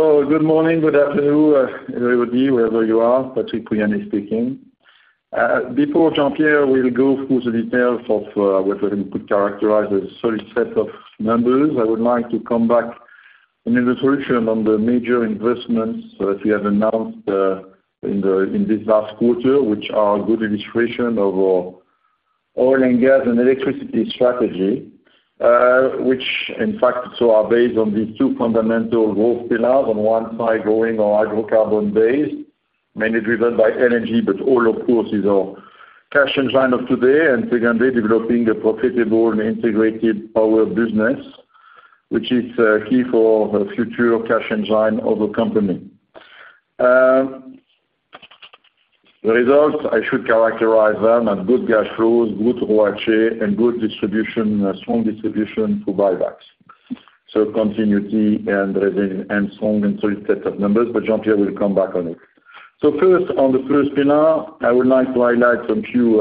Good morning, good afternoon, everybody, wherever you are. Patrick Pouyanné speaking. Before Jean-Pierre will go through the details of what we could characterize as a solid set of numbers, I would like to come back an introduction on the major investments that we have announced in this last quarter, which are a good illustration of our oil and gas and electricity strategy. Which in fact, so are based on these two fundamental growth pillars, on one side, growing our hydrocarbon base, mainly driven by energy, but oil, of course, is our cash engine of today, and secondly, developing a profitable and integrated power business, which is key for the future cash engine of the company. The results, I should characterize them as good cash flows, good ROCE, and good distribution, strong distribution to buybacks. Continuity and revenue and strong and solid set of numbers. Jean-Pierre will come back on it. First, on the first pillar, I would like to highlight a few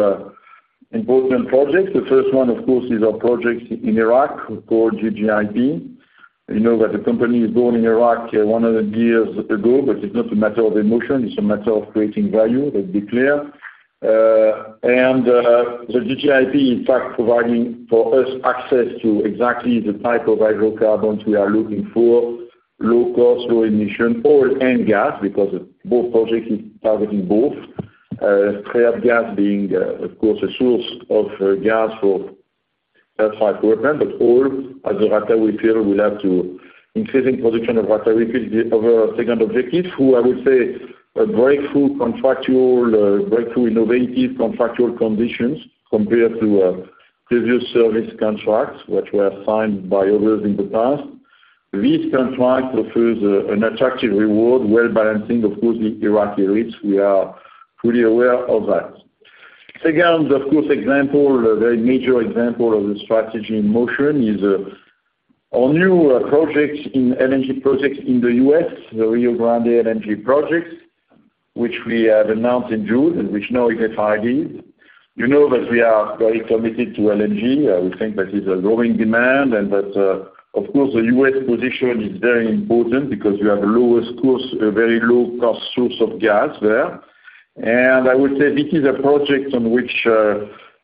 important projects. The first one, of course, is our project in Iraq, called GGIP. You know that the company is born in Iraq 100 years ago, but it's not a matter of emotion, it's a matter of creating value, let's be clear. The GGIP, in fact, providing for us access to exactly the type of hydrocarbons we are looking for, low cost, low emission, oil and gas, because both projects is targeting both. strata gas being, of course, a source of gas for but oil, as a matter we feel, will have to increasing production of water refill the other second objective, who I would say a breakthrough contractual breakthrough innovative contractual conditions compared to previous service contracts, which were signed by others in the past. This contract offers an attractive reward, well balancing, of course, the Iraqi risk. We are fully aware of that. Second, of course, example, a very major example of the strategy in motion is our new LNG project in the U.S., the Rio Grande LNG project, which we have announced in June, and which now is FID. You know that we are very committed to LNG. We think that is a growing demand, and that, of course, the U.S. position is very important because you have lowest cost, a very low cost source of gas there. I would say this is a project on which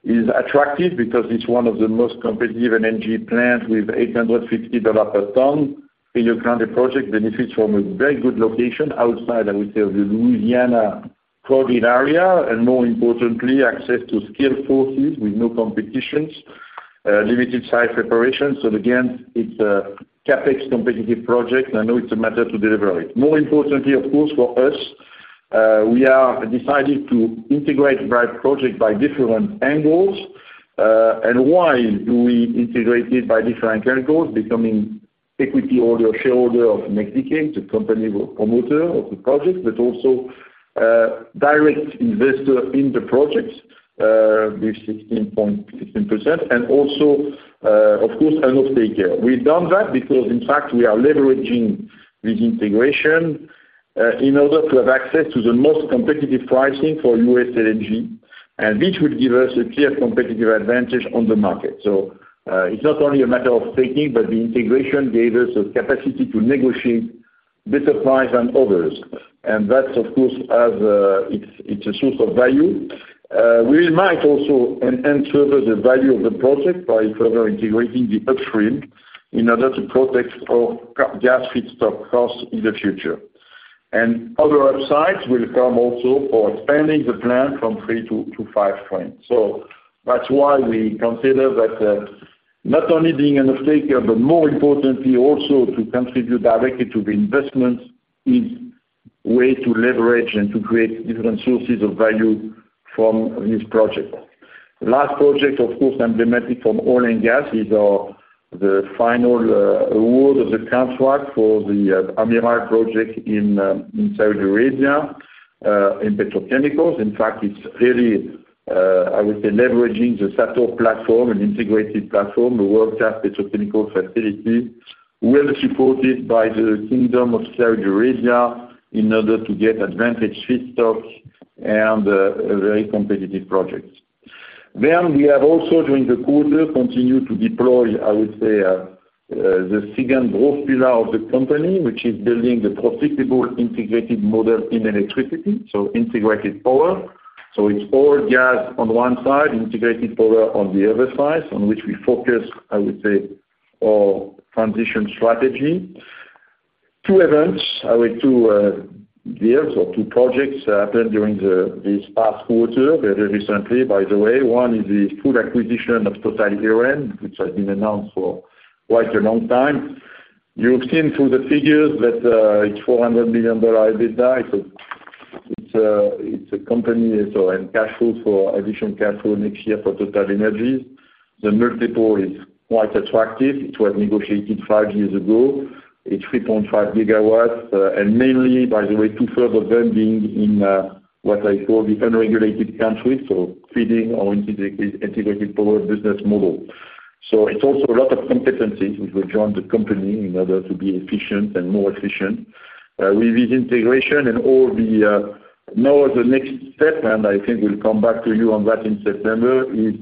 is attractive because it's one of the most competitive LNG plants with $850 per ton. Rio Grande project benefits from a very good location outside, I would say, of the Louisiana crowded area, and more importantly, access to skilled forces with no competitions, limited site preparation. Again, it's a CapEx competitive project, and I know it's a matter to deliver it. More importantly, of course, for us, we are decided to integrate that project by different angles. Why do we integrate it by different angles? Becoming equity owner, shareholder of Mexichem, the company promoter of the project, but also direct investor in the project, with 16%, and also, of course, a stakeholder. We've done that because, in fact, we are leveraging this integration in order to have access to the most competitive pricing for U.S. LNG, and this will give us a clear competitive advantage on the market. It's not only a matter of taking, but the integration gave us the capacity to negotiate better price than others. That, of course, as it's a source of value. We might also enhance further the value of the project by further integrating the upstream in order to protect our gas feedstock cost in the future. Other upsides will come also for expanding the plant from 3 to 5 trains. That's why we consider that not only being a stakeholder, but more importantly, also to contribute directly to the investment is way to leverage and to create different sources of value from this project. Last project, of course, emblematic from oil and gas, is the final award of the contract for the Amiral project in Saudi Arabia in petrochemicals. In fact, it's really, I would say, leveraging the SATORP platform, an integrated platform, a world-class petrochemical facility, well supported by the Kingdom of Saudi Arabia in order to get advantage feedstocks and a very competitive project. We have also, during the quarter, continued to deploy, I would say, the second growth pillar of the company, which is building a profitable integrated model in electricity, so integrated power. It's oil, gas on one side, integrated power on the other side, on which we focus, I would say, our transition strategy. Two events, with two deals or two projects, happened during this past quarter, very recently, by the way. One is the full acquisition of Total Eren, which has been announced for quite a long time. You've seen through the figures that it's $400 million EBITDA. It's a company, so, and cash flow for additional cash flow next year for TotalEnergies. The multiple is quite attractive. It was negotiated five years ago. It's 3.5 gigawatts, and mainly, by the way, to further them being in what I call the unregulated country, so feeding our integrated power business model. It's also a lot of competencies which will join the company in order to be efficient and more efficient. With this integration and all the. The next step, and I think we'll come back to you on that in September, is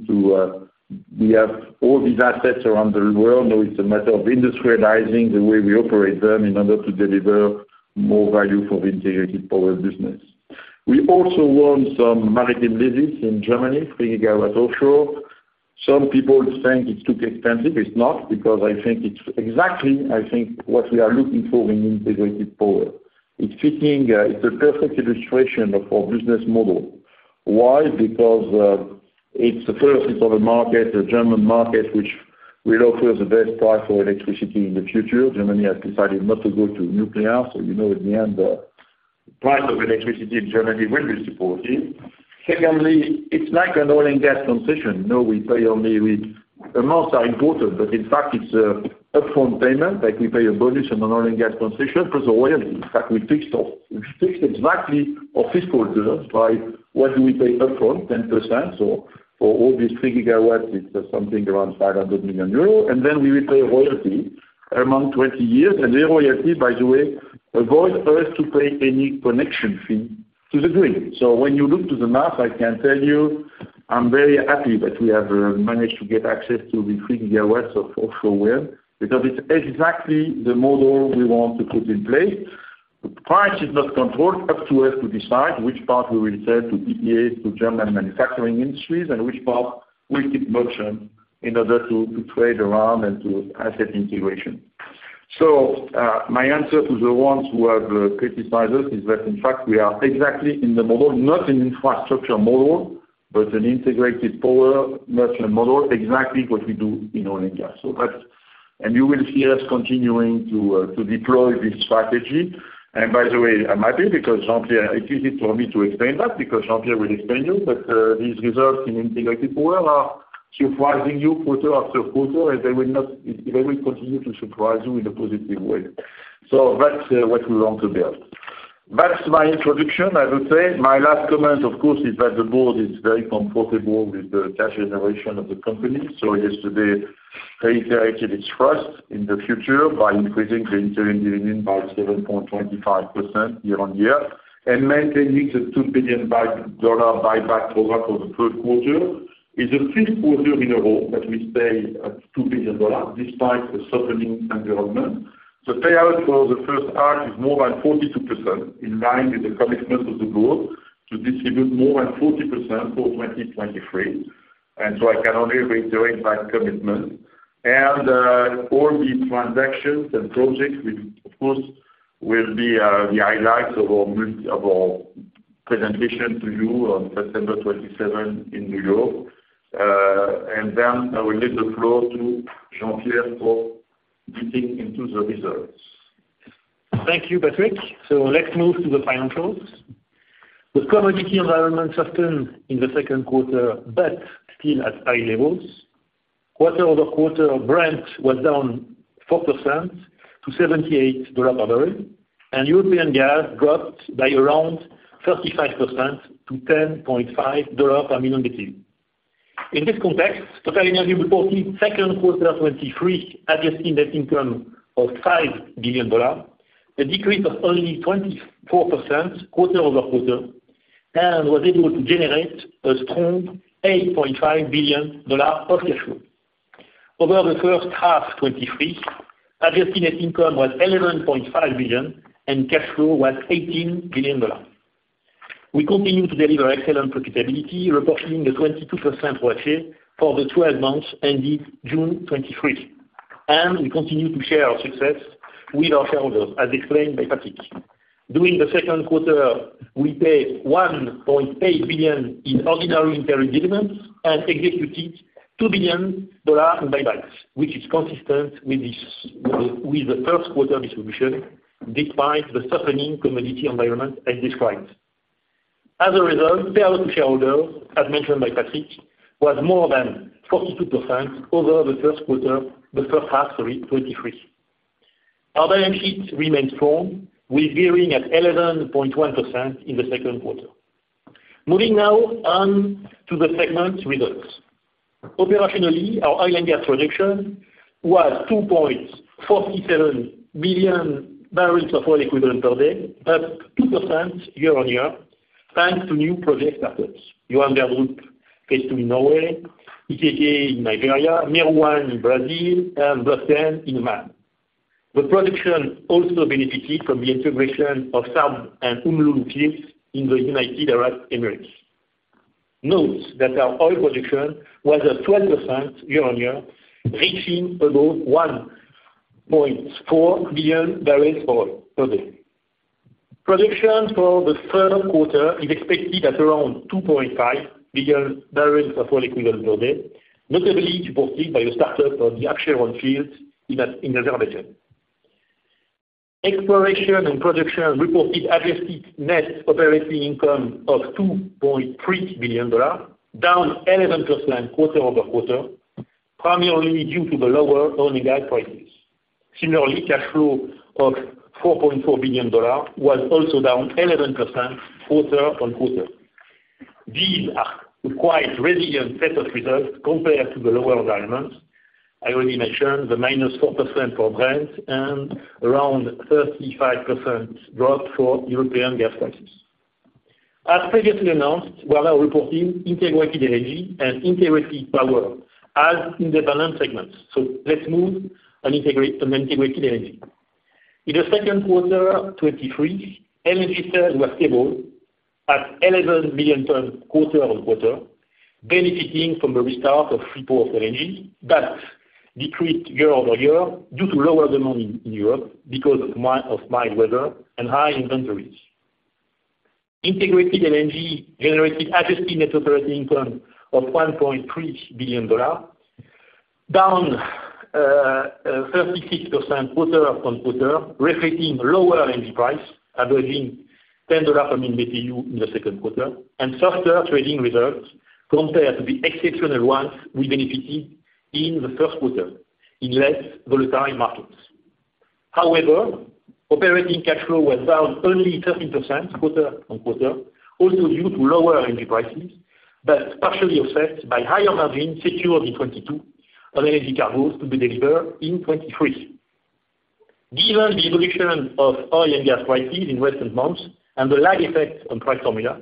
to, we have all these assets around the world. Now it's a matter of industrializing the way we operate them in order to deliver more value for the integrated power business. We also won some maritime business in Germany, 3 gigawatt offshore. Some people think it's too expensive. It's not, because I think it's exactly, I think, what we are looking for in integrated power. It's fitting. It's a perfect illustration of our business model. Why? Because it's the first. It's on the market, the German market, which will offer the best price for electricity in the future. Germany has decided not to go to nuclear, you know, in the end, the price of electricity in Germany will be supportive. Secondly, it's like an oil and gas concession. We pay only amounts are important, but in fact, it's an upfront payment, like we pay a bonus on an oil and gas concession. In fact, we fixed off. We fixed exactly our fiscal results by what do we pay upfront, 10%. For all these 3 gigawatts, it's something around 500 million euros. We will pay a royalty among 20 years. The royalty, by the way, avoids us to pay any connection fee to the grid. When you look to the math, I can tell you, I'm very happy that we have managed to get access to the 3 gigawatts of offshore wind, because it's exactly the model we want to put in place. The price is not controlled, up to us to decide which part we will sell to EPA, to German manufacturing industries, and which part we keep merchant in order to trade around and to asset integration. My answer to the ones who have criticized us is that, in fact, we are exactly in the model, not an infrastructure model, but an integrated power merchant model, exactly what we do in oil and gas. You will see us continuing to deploy this strategy. By the way, I'm happy because Jean-Pierre, it's easy for me to explain that because Jean-Pierre will explain you, but these results in integrated power are surprising you quarter after quarter, and they will continue to surprise you in a positive way. That's what we want to build. That's my introduction. I will say my last comment, of course, is that the board is very comfortable with the cash generation of the company. Yesterday, reiterated its trust in the future by increasing the interim dividend by 7.25% year-on-year, and maintaining the $2 billion buyback program for the third quarter. It's the 5th quarter in a row that we stay at $2 billion, despite the softening environment. The payout for the first half is more than 42%, in line with the commitment of the board to distribute more than 40% for 2023. I can only reiterate that commitment. All the transactions and projects, which of course will be the highlights of our presentation to you on September 27 in New York. I will leave the floor to Jean-Pierre for digging into the results. Thank you, Patrick. Let's move to the financials. The commodity environment softened in the second quarter, but still at high levels. Quarter-over-quarter, Brent was down 4% to $78 barrel, and European gas dropped by around 35% to $10.5 per million BTU. In this context, TotalEnergies reported second quarter 2023 adjusted net income of $5 billion, a decrease of only 24% quarter-over-quarter, and was able to generate a strong $8.5 billion of cash flow. Over the first half 2023, adjusted net income was $11.5 billion, and cash flow was $18 billion. We continue to deliver excellent profitability, reporting a 22% ROACE for the 12 months ended June 2023. We continue to share our success with our shareholders, as explained by Patrick. During the second quarter, we paid $1.8 billion in ordinary interim dividends and executed $2 billion in buybacks, which is consistent with the first quarter distribution, despite the softening commodity environment I described. Payout to shareholders, as mentioned by Patrick, was more than 42% over the first half 2023. Our balance sheet remains strong, with gearing at 11.1% in the second quarter. Moving now on to the segment results. Operationally, our oil and gas production was 2.47 billion barrels of oil equivalent per day, up 2% year-on-year, thanks to new project startups. Johan Sverdrup, phase two in Norway, EKK in Nigeria, Mero 1 in Brazil, and Block 10 in Oman. The production also benefited from the integration of SARB and Umm Lulu fields in the United Arab Emirates. Note that our oil production was at 12% year-over-year, reaching above 1.4 billion barrels oil per day. Production for the third quarter is expected at around 2.5 billion barrels of oil equivalent per day, notably supported by the startup of the Absheron field in Azerbaijan. Exploration and production reported adjusted net operating income of $2.3 billion, down 11% quarter-over-quarter, primarily due to the lower oil and gas prices. Similarly, cash flow of $4.4 billion was also down 11% quarter-on-quarter. These are quite resilient set of results compared to the lower environment. I already mentioned the -4% for Brent and around 35% drop for European gas prices. As previously announced, we are now reporting integrated energy and integrated power as independent segments. Let's move on integrated energy. In the second quarter 2023, LNG sales were stable at 11 million tons quarter-on-quarter, benefiting from the restart of Freeport LNG, but decreased year-over-year due to lower demand in Europe because of mild weather and high inventories. Integrated LNG generated adjusted net operating income of $1.3 billion, down 36% quarter-on-quarter, reflecting lower LNG price, averaging $10 per MMBtu in the second quarter, and softer trading results compared to the exceptional ones we benefited in the first quarter in less volatile markets. Operating cash flow was down only 13% quarter-on-quarter, also due to lower energy prices, but partially offset by higher margins secured in 2022 on LNG cargos to be delivered in 2023. Given the evolution of oil and gas prices in recent months and the lag effect on price formula,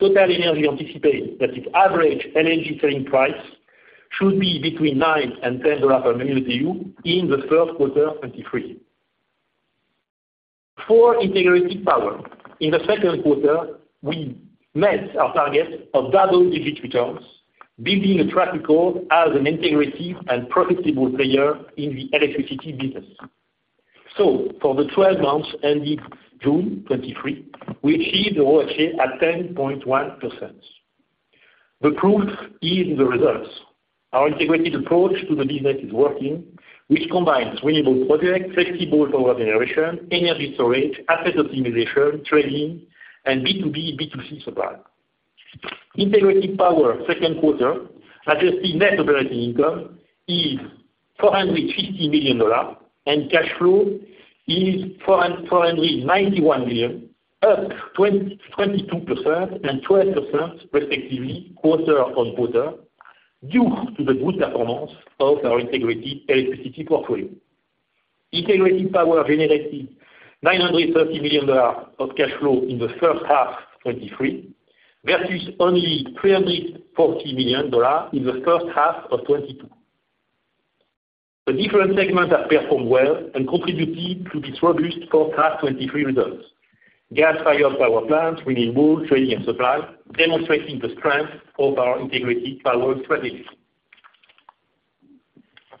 TotalEnergies anticipates that its average LNG selling price should be between $9 and $10 per MMBtu in the first quarter 2023. For integrated power, in the second quarter, we met our target of double-digit returns, building a track record as an integrated and profitable player in the electricity business. For the 12 months ending June 2023, we achieved the ROCE at 10.1%. The proof is in the results. Our integrated approach to the business is working, which combines renewable projects, flexible power generation, energy storage, asset optimization, trading, and B2B, B2C supply. Integrated power second quarter, adjusted net operating income is $450 million, and cash flow is $491 million, up 22% and 12% respectively, quarter-on-quarter, due to the good performance of our integrated electricity portfolio. Integrated power generated $930 million of cash flow in the first half 2023, versus only $340 million in the first half of 2022. The different segments have performed well and contributed to this robust first half 2023 results. Gas-fired power plants, renewable, trading and supply, demonstrating the strength of our integrated power strategy.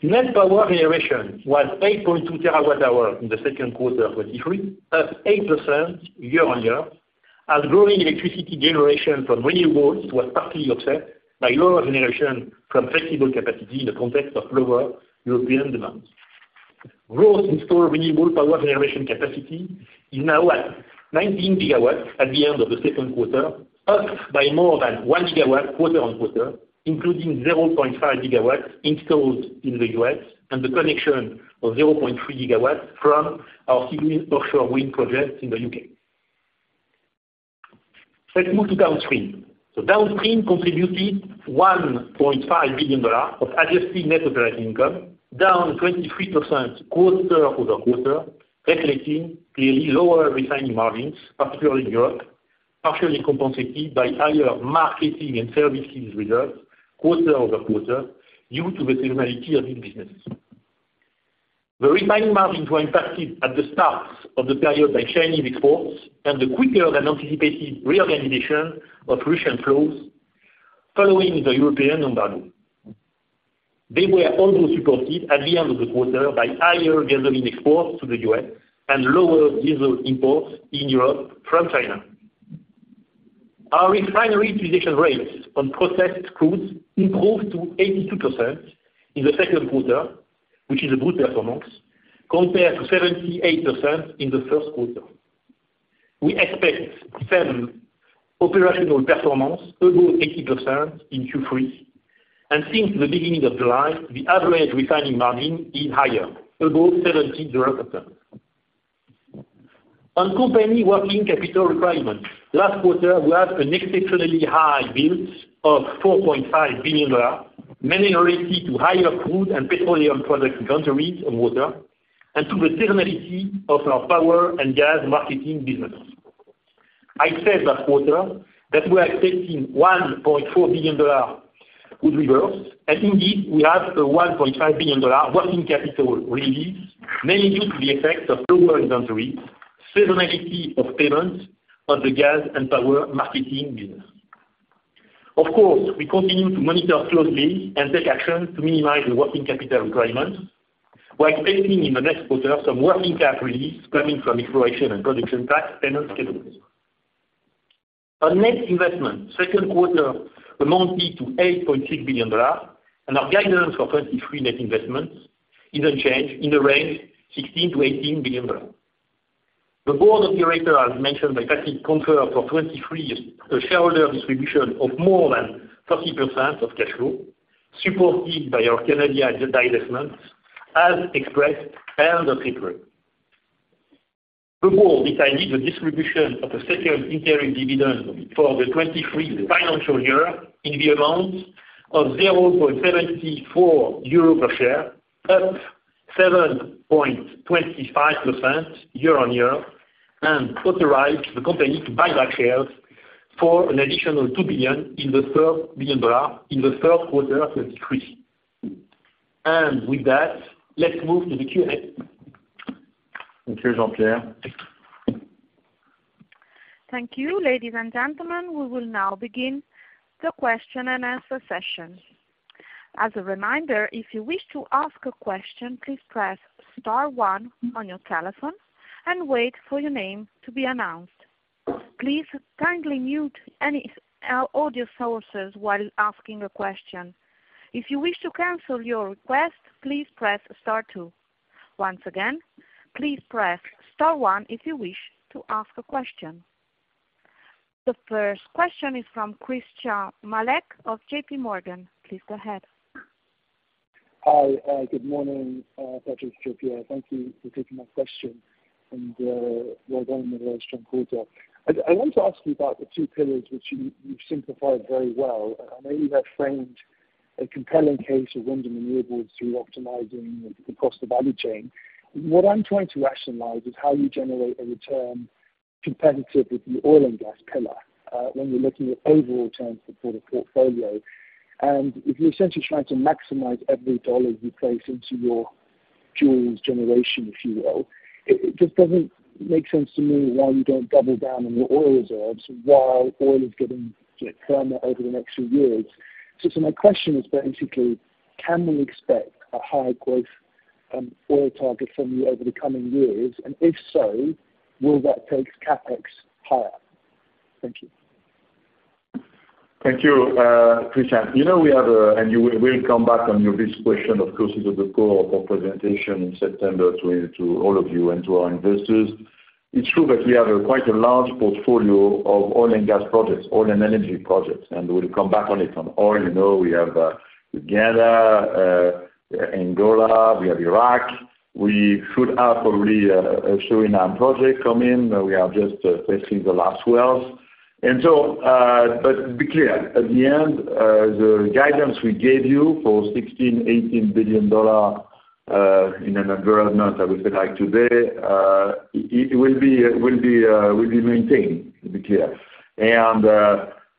Net power generation was 8.2 TWh in the second quarter of 2023, up 8% year-on-year, as growing electricity generation from renewables was partly offset by lower generation from flexible capacity in the context of lower European demand. Growth in store renewable power generation capacity is now at 19 gigawatts at the end of the second quarter, up by more than 1 gigawatt, quarter-on-quarter, including 0.5 gigawatts installed in the U.S. and the connection of 0.3 gigawatts from our offshore wind projects in the U.K. Let's move to downstream. Downstream contributed $1.5 billion of adjusted net operating income, down 23% quarter-over-quarter, reflecting clearly lower refining margins, particularly in Europe, partially compensated by higher marketing and services results, quarter-over-quarter, due to the seasonality of these businesses. The refining margins were impacted at the start of the period by Chinese exports and the quicker than anticipated reorganization of Russian flows following the European embargo. They were also supported at the end of the quarter by higher gasoline exports to the U.S. and lower diesel imports in Europe from China. Our refinery utilization rates on processed crudes improved to 82% in the second quarter, which is a good performance, compared to 78% in the first quarter. We expect same operational performance above 80% in Q3. Since the beginning of July, the average refining margin is higher, above $70 per ton. On company working capital requirement, last quarter, we had an exceptionally high build of $4.5 billion, mainly related to higher crude and petroleum product inventories on quarter, and to the seasonality of our power and gas marketing business. I said last quarter that we are expecting $1.4 billion would reverse, and indeed, we have a $1.5 billion working capital release, mainly due to the effect of lower inventories, seasonality of payments of the gas and power marketing business. We continue to monitor closely and take action to minimize the working capital requirements, while expecting in the next quarter some working cap release coming from exploration and production tax payment schedules. On net investment, second quarter amounted to $8.6 billion. Our guidance for 2023 net investments is unchanged in the range $16 billion-$18 billion. The board of directors, as mentioned by Patrick, confirmed for 2023 a shareholder distribution of more than 30% of cash flow, supported by our Canada divestments, as expressed end of April.... the board decided the distribution of the second interim dividend for the 2023 financial year in the amount of 0.74 euro per share, up 7.25% year-on-year, and authorized the company to buy back shares for an additional $2 billion in the 3rd quarter of 2023. With that, let's move to the Q&A. Thank you, Jean-Pierre. Thank you, ladies and gentlemen. We will now begin the question and answer session. As a reminder, if you wish to ask a question, please press star one on your telephone and wait for your name to be announced. Please kindly mute any audio sources while asking a question. If you wish to cancel your request, please press star two. Once again, please press star one if you wish to ask a question. The first question is from Christyan Malek of JPMorgan. Please go ahead. Hi, good morning, Patrick, Jean-Pierre. Thank you for taking my question, and well done on a very strong quarter. I want to ask you about the two pillars, which you've simplified very well. I know you have framed a compelling case of winning the rewards through optimizing across the value chain. What I'm trying to rationalize is how you generate a return competitive with the oil and gas pillar, when you're looking at overall returns for the portfolio. If you're essentially trying to maximize every dollar you place into your jewels generation, if you will, it just doesn't make sense to me why you don't double down on your oil reserves while oil is getting firmer over the next few years. My question is basically, can we expect a higher growth, oil target from you over the coming years? If so, will that take CapEx higher? Thank you. Thank you, Christyan. You know, we'll come back on your this question. Of course, it's at the core of our presentation in September to all of you and to our investors. It's true that we have a quite a large portfolio of oil and gas projects, oil and energy projects, and we'll come back on it. On oil, you know, we have Ghana, Angola, we have Iraq. We should have probably a Suriname project coming. We are just testing the last wells. But to be clear, at the end, the guidance we gave you for $16 billion-$18 billion in an environment that we say like today, it will be maintained, to be clear.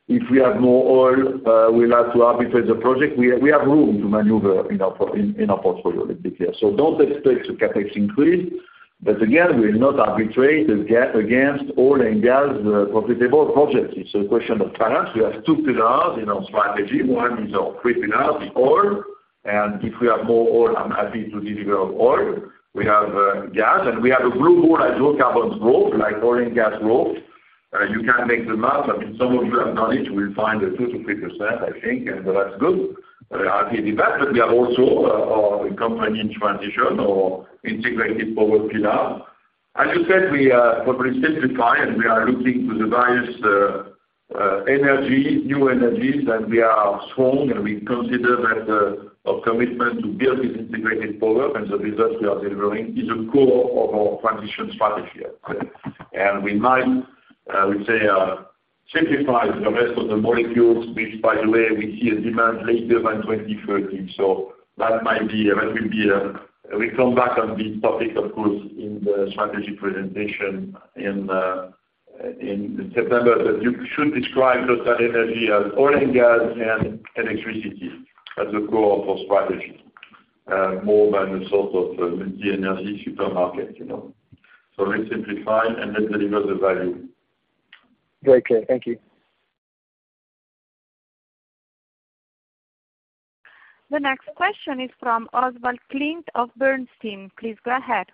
If we have more oil, we'll have to arbitrate the project. We have room to maneuver in our portfolio, to be clear. Don't expect the CapEx increase, but again, we will not arbitrate the gap against oil and gas profitable projects. It's a question of balance. We have two pillars in our strategy. One is our three pillars, the oil. If we have more oil, I'm happy to deliver oil. We have gas. We have a blue board as low carbon growth, like oil and gas growth. You can make the math. I mean, some of you have done it. You will find a 2%-3%, I think. That's good. Happy with that. We are also a company in transition, our integrated power pillar. As you said, we are, probably simplify, and we are looking to the various energy, new energies, and we are strong, and we consider that our commitment to build this integrated power and the results we are delivering is a core of our transition strategy. We might, we say, simplify the rest of the molecules, which, by the way, we see a demand later than 2030. That might be, that will be, we come back on this topic, of course, in the strategy presentation in September. You should describe TotalEnergies as oil and gas and electricity as a core of our strategy, more than a sort of the energy supermarket, you know? Let's simplify and let's deliver the value. Very clear. Thank you. The next question is from Oswald Clint of Bernstein. Please go ahead.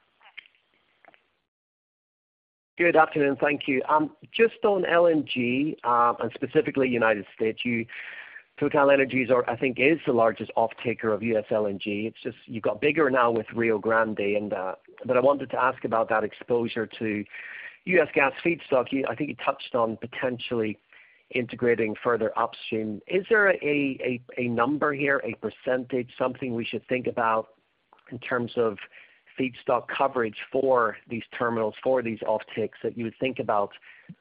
Good afternoon. Thank you. Just on LNG, and specifically United States, TotalEnergies are, I think, is the largest offtaker of U.S. LNG. It's just you've got bigger now with Rio Grande, but I wanted to ask about that exposure to U.S. gas feedstock. You, I think you touched on potentially integrating further upstream. Is there a number here, a percentage, something we should think about in terms of feedstock coverage for these terminals, for these offtakes that you would think about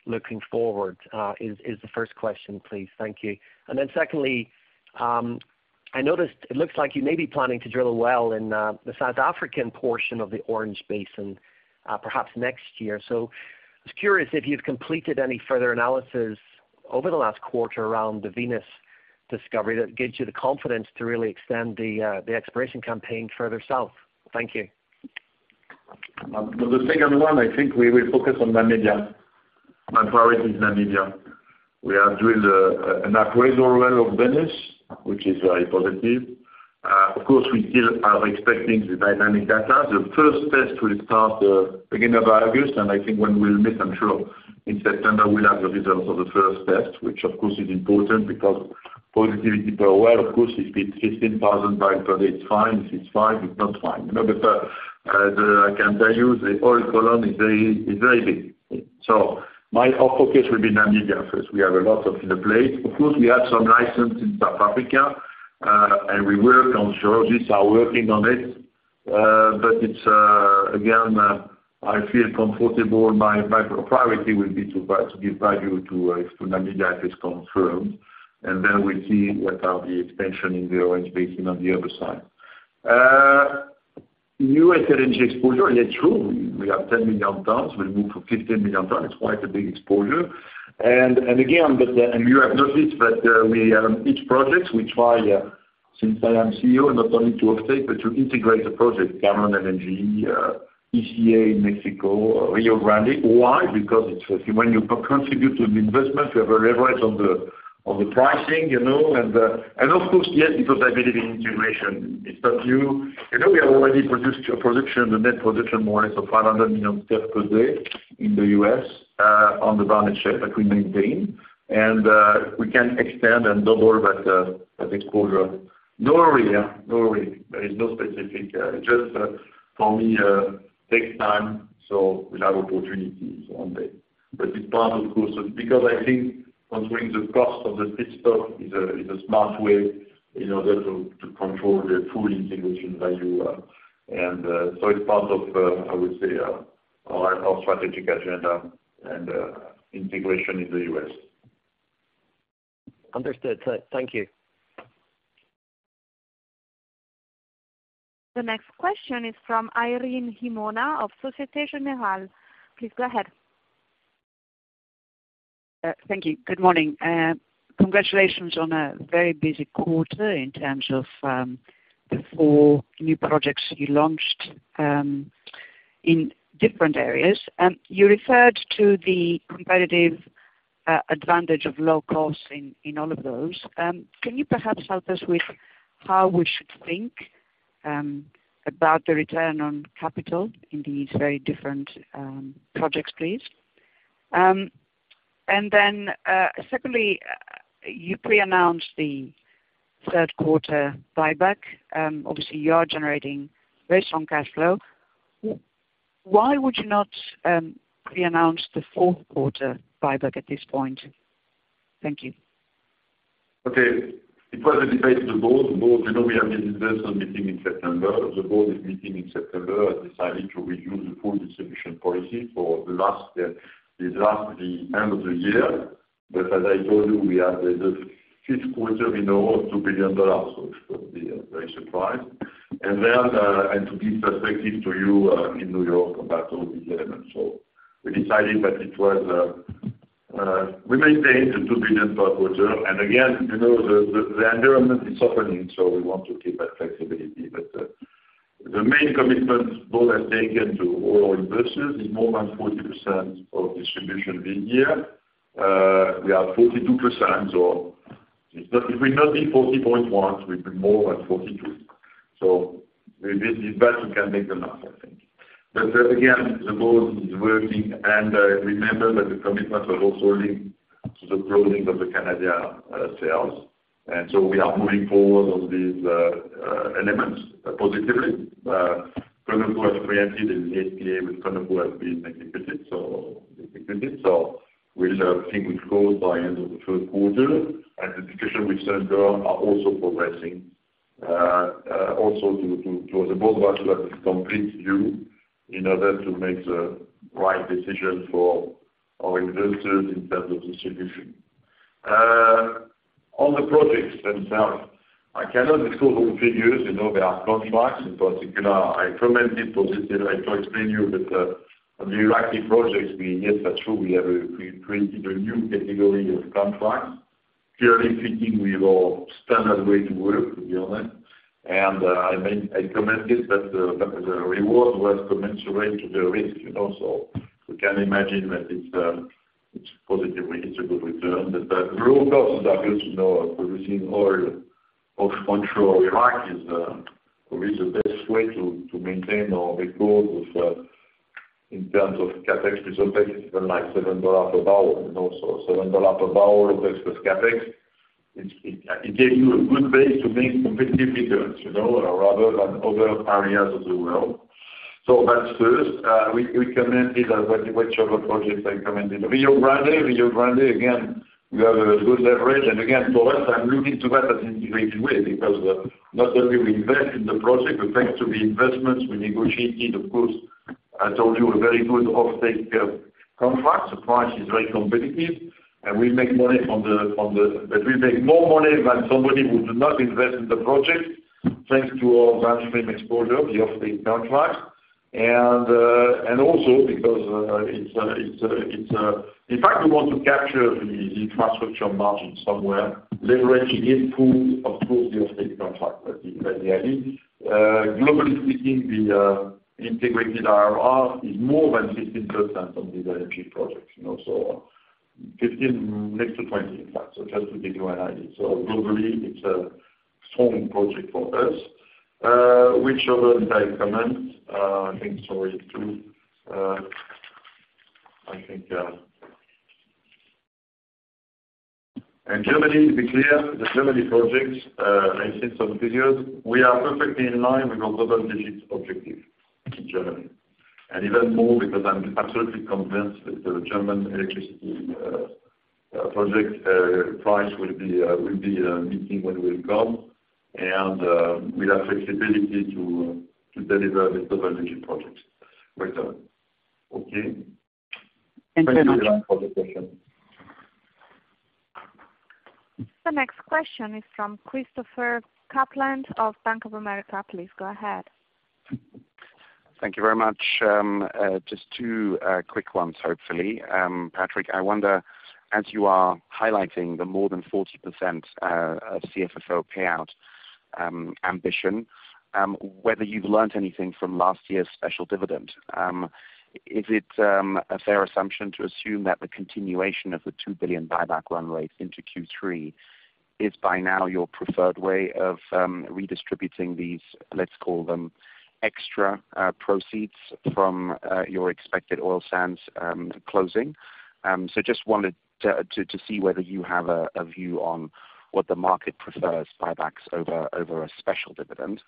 looking forward, is the first question, please. Thank you. Then secondly, I noticed it looks like you may be planning to drill a well in the South African portion of the Orange Basin, perhaps next year. I was curious if you've completed any further analysis over the last quarter around the Venus discovery that gives you the confidence to really extend the exploration campaign further south. Thank you. For the second one, I think we will focus on Namibia. My priority is Namibia. We are doing an appraisal well of Venus, which is very positive. Of course, we still are expecting the dynamic data. The first test will start beginning of August. I think when we'll meet, I'm sure in September, we'll have the results of the first test, which of course, is important because positivity per well, of course, if it's 15,000 barrel per day, it's fine. If it's 5, it's not fine. You know, I can tell you, the oil column is very big. My whole focus will be Namibia first. We have a lot of place. We have some license in South Africa.... We work on geologists are working on it, but it's again, I feel comfortable my priority will be to buy, to give value to Namibia if it's confirmed, then we'll see what are the extension in the Orange Basin on the other side. New LNG exposure, yeah, true, we have 10 million tons, we'll move to 15 million tons. It's quite a big exposure. Again, you have noticed that we each project, we try since I am CEO, not only to offstate, but to integrate the project, Cameron LNG, ECA, Mexico, Rio Grande. Why? Because it's, when you contribute to an investment, you have a leverage on the pricing, you know, of course, yes, because I believe in integration. It's not new. You know, we have already produced a production, the net production, more or less of 500 million tons per day in the U.S., on the Barnett Shale that we maintain. We can extend and double that exposure. No worry, yeah, no worry. There is no specific, just, for me, takes time, so we'll have opportunities one day. It's part, of course, because I think controlling the cost of the pit stop is a, is a smart way in order to control the full integration value. It's part of, I would say, our strategic agenda and, integration in the U.S. Understood. Thank you. The next question is from Irene Himona of Société Générale. Please go ahead. Thank you. Good morning. Congratulations on a very busy quarter in terms of the 4 new projects you launched in different areas. You referred to the competitive advantage of low cost in all of those. Can you perhaps help us with how we should think about the return on capital in these very different projects, please? Then, secondly, you pre-announced the third quarter buyback. Obviously, you are generating based on cash flow. Why would you not pre-announce the fourth quarter buyback at this point? Thank you. Okay. It was a debate in the board. The board, you know, we have business meeting in September. The board is meeting in September, decided to review the full distribution policy for the last, the end of the year. As I told you, we have the fifth quarter in a row, $2 billion, so it would be a very surprise. Then, and to give perspective to you in New York about all these elements. We decided that it was, we maintain the $2 billion per quarter. Again, you know, the environment is opening, so we want to keep that flexibility. The main commitment board has taken to all investors is more than 40% of distribution this year. We are 42% or... If we not be 40.1, we've been more than 42. This is best we can make the math, I think. The board is working, and remember that the commitment are also linked to the closing of the Canada sales. We are moving forward on these elements positively. Conoco has created an APA with Conoco has been executed. We think we close by end of the third quarter, and the discussion with Sempra are also progressing also to the board want to have a complete view in order to make the right decision for our investors in terms of distribution. On the projects themselves, I cannot disclose all the figures. You know, there are contracts. In particular, I commented positive. I try to explain you that on the Iraqi projects, yes, that's true, we created a new category of contracts, purely fitting with our standard way to work, to be honest. I mean, I commented that the reward was commensurate to the risk, you know, so we can imagine that it's positive, it's a good return. The raw costs are good, you know, producing oil off control Iraq is the best way to maintain our record with in terms of CapEx, this will take even like $7 per barrel, you know, so $7 per barrel, plus CapEx, gave you a good base to make competitive returns, you know, rather than other areas of the world. That's first. We commented on which other projects I commented. Rio Grande, again, we have a good leverage. Again, for us, I'm looking to that as integrated way, because not only we invest in the project, but thanks to the investments, we negotiated, of course, I told you, a very good off take contract. The price is very competitive, and we make money. But we make more money than somebody who do not invest in the project, thanks to our downstream exposure, the off take contract. Also because it's a. In fact, we want to capture the infrastructure margin somewhere, leveraging it through, of course, the off take contract, that's the idea. Globally speaking, the integrated IRR is more than 15% on these LNG projects, you know, so 15, next to 20, in fact. Just to give you an idea. Globally, it's a strong project for us. Which other I comment? I think, sorry, 2, I think. Germany, to be clear, the Germany projects, I've seen some figures, we are perfectly in line with our global business objective in Germany. And even more, because I'm absolutely convinced that the German electricity project price will be, will be, meeting when we come, and we have flexibility to deliver this TotalEnergies project later. Okay? Thank you very much. Thank you for the question. The next question is from Christopher Kuplent of Bank of America. Please go ahead. Thank you very much. Just two quick ones, hopefully. Patrick, I wonder, as you are highlighting the more than 40% of CFFO payout ambition, whether you've learned anything from last year's special dividend? Is it a fair assumption to assume that the continuation of the $2 billion buyback run rate into Q3 is by now your preferred way of redistributing these, let's call them, extra proceeds from your expected oil sands closing? Just wanted to see whether you have a view on what the market prefers buybacks over a special dividend.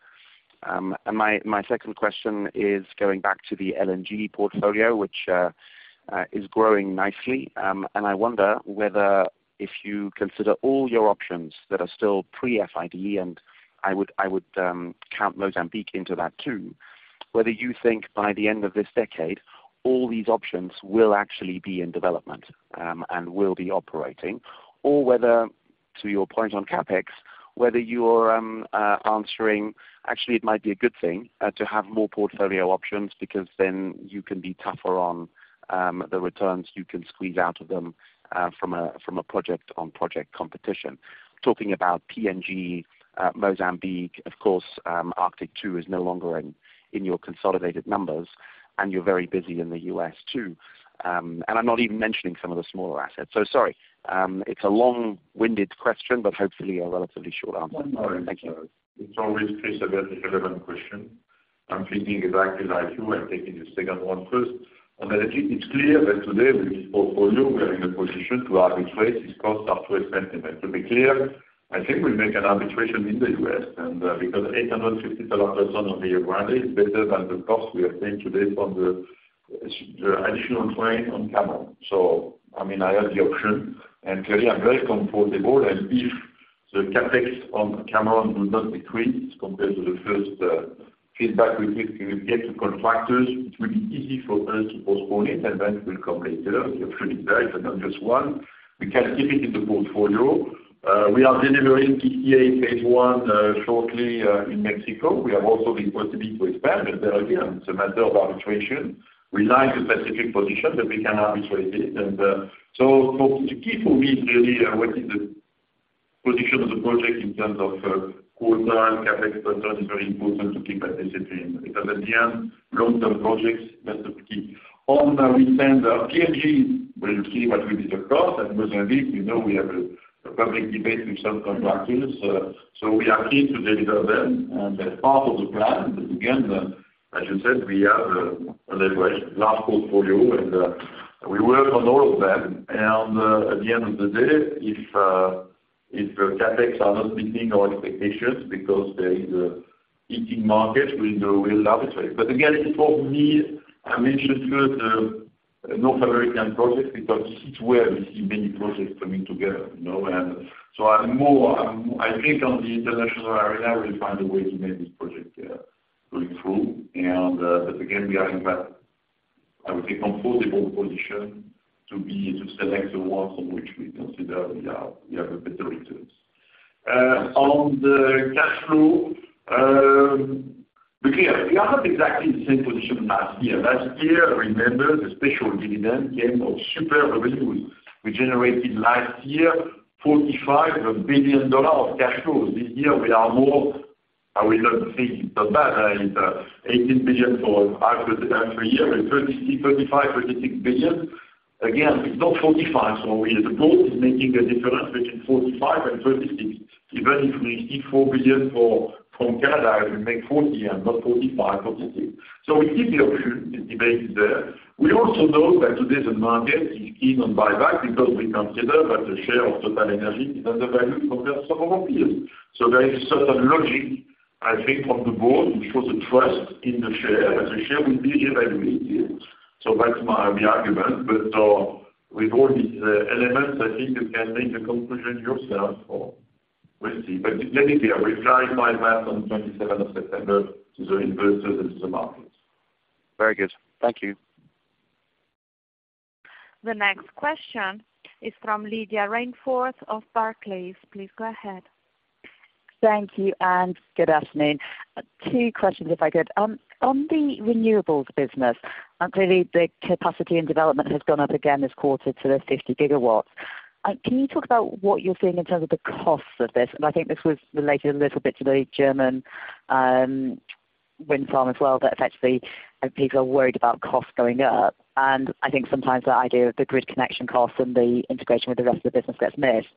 My second question is going back to the LNG portfolio, which is growing nicely. I wonder whether if you consider all your options that are still pre-FID, I would count Mozambique into that too, whether you think by the end of this decade, all these options will actually be in development and will be operating, or whether, to your point on CapEx, whether you're answering, actually it might be a good thing to have more portfolio options because then you can be tougher on the returns you can squeeze out of them from a project-on-project competition. Talking about PNG, Mozambique, of course, Arctic-2 is no longer in your consolidated numbers, you're very busy in the U.S., too. I'm not even mentioning some of the smaller assets. Sorry, it's a long-winded question, hopefully a relatively short answer. Thank you. It's always a very relevant question. I'm thinking exactly like you. I'm taking the second 1 first. It's clear that today, with this portfolio, we are in a position to arbitrate if costs are too expensive. To be clear, I think we'll make an arbitration in the U.S. because $850 per ton on the ground is better than the cost we are paying today from the additional train on Cameron. I mean, I have the option, and clearly, I'm very comfortable, and if the CapEx on Cameron do not decrease compared to the first feedback we give, we get to contractors, it will be easy for us to postpone it, and that will come later. We have 3 there, and not just 1. We can keep it in the portfolio. We are delivering PTA Phase One shortly in Mexico. We have also the possibility to expand, there again, it's a matter of arbitration. We like the specific position, we can arbitrate it. The key for me is really what is the position of the project in terms of quarter and CapEx? It's very important to keep that discipline, because at the end, long-term projects, that's the key. On the recent PNG, we will see what will be the cost. At Mozambique, we know we have a public debate with some contractors, we are keen to deliver them, that's part of the plan. Again, as you said, we have a leverage, large portfolio, we work on all of them. At the end of the day, if CapEx are not meeting our expectations because there is a heating market, we will arbitrate. Again, it's for me, I mentioned first North American project, because it's where we see many projects coming together, you know? I'm more, I think on the international arena, we'll find a way to make this project going through. Again, we are in that, I would say, comfortable position to be, to select the ones on which we consider we have a better returns. On the cash flow, because we are not exactly the same position last year. Last year, remember, the special dividend came of super revenues. We generated last year $45 billion of cash flows. This year, we are more, I will not say it's so bad, it's $18 billion for after the 3 year, $33 billion, $35 billion, $36 billion. It's not $45, so we, the growth is making a difference between $45 and $36. Even if we see $4 billion for, from Canada, it will make $40 and not $45, $46. We keep the option, the debate is there. We also know that today the market is in on buyback because we consider that the share of TotalEnergies is undervalued compared to some of our peers. There is a certain logic, I think, from the board, which shows a trust in the share, that the share will be evaluated. That's my, the argument. With all these elements, I think you can make a conclusion yourself, or we'll see. Let it be, I will clarify that on 27th of September to the investors and to the markets. Very good. Thank you. The next question is from Lydia Rainforth of Barclays. Please go ahead. Thank you. Good afternoon. 2 questions, if I could. On the renewables business, clearly the capacity and development has gone up again this quarter to the 50 gigawatts. Can you talk about what you're seeing in terms of the costs of this? I think this was related a little bit to the German wind farm as well, that effectively, and people are worried about costs going up. I think sometimes the idea of the grid connection costs and the integration with the rest of the business gets missed.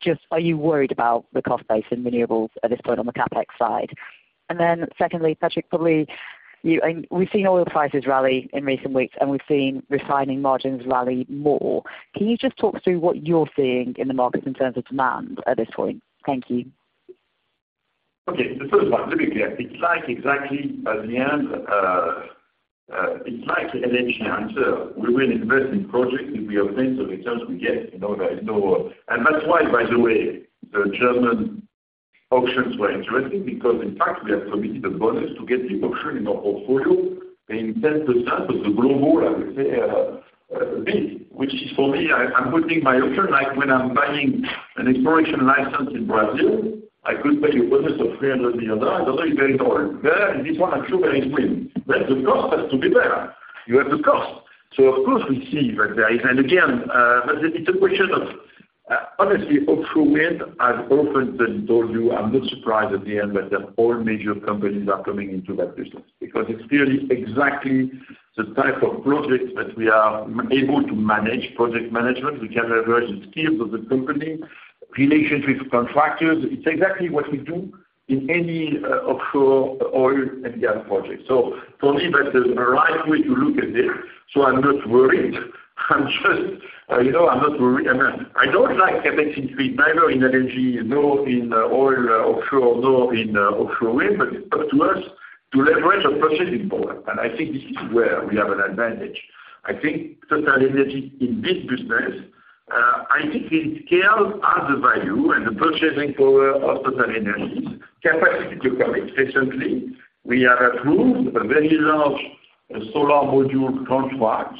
Just, are you worried about the cost base in renewables at this point on the CapEx side? Secondly, Patrick, probably, you, and we've seen oil prices rally in recent weeks, and we've seen refining margins rally more. Can you just talk through what you're seeing in the markets in terms of demand at this point? Thank you. The first one, let me be clear. It's like exactly at the end, it's like an energy answer. We will invest in projects if we obtain the returns we get. You know, there is no. That's why, by the way, the German auctions were interesting. Because in fact, we have submitted a bonus to get the auction in our portfolio, in 10% of the global, I would say, bid, which is for me, I'm putting my auction, like when I'm buying an exploration license in Brazil, I could pay a bonus of $300 million, although it's very normal. There, in this one, I'm sure there is wind. The cost has to be there. You have the cost. Of course, we see that there is... Again, but it's a question of, honestly, offshore wind, I've often been told you, I'm not surprised at the end, that the all major companies are coming into that business. It's really exactly the type of project that we are able to manage, project management. We can leverage the skills of the company, relations with contractors. It's exactly what we do in any offshore oil and gas project. For me, that is the right way to look at this, so I'm not worried. I'm just, you know, I'm not worried. I don't like CapEx in speed, neither in energy, nor in oil, offshore, nor in offshore wind, but it's up to us to leverage our purchasing power, and I think this is where we have an advantage. I think TotalEnergies, in this business, I think in scale, has the value and the purchasing power of TotalEnergies, capacity to come. Recently, we have approved a very large solar module contract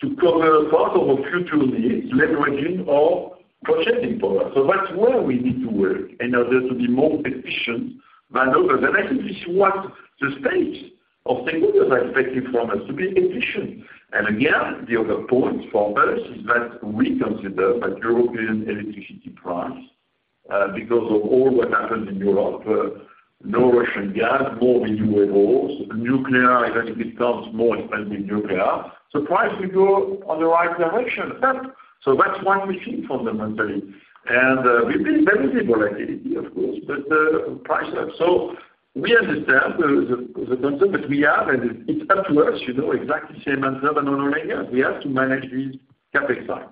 to cover part of our future needs, leveraging our purchasing power. That's where we need to work in order to be more efficient than others. I think this is what the state of technology are expecting from us, to be efficient. Again, the other point for us is that we consider that European electricity price, because of all what happened in Europe, no Russian gas, more renewables, nuclear, it becomes more expensive nuclear. Price will go on the right direction, yep, that's 1 machine fundamentally. We've been very visible activity, of course, but price. We understand the concept, but we have, and it's up to us, you know, exactly same answer than on Romania. We have to manage the CapEx side.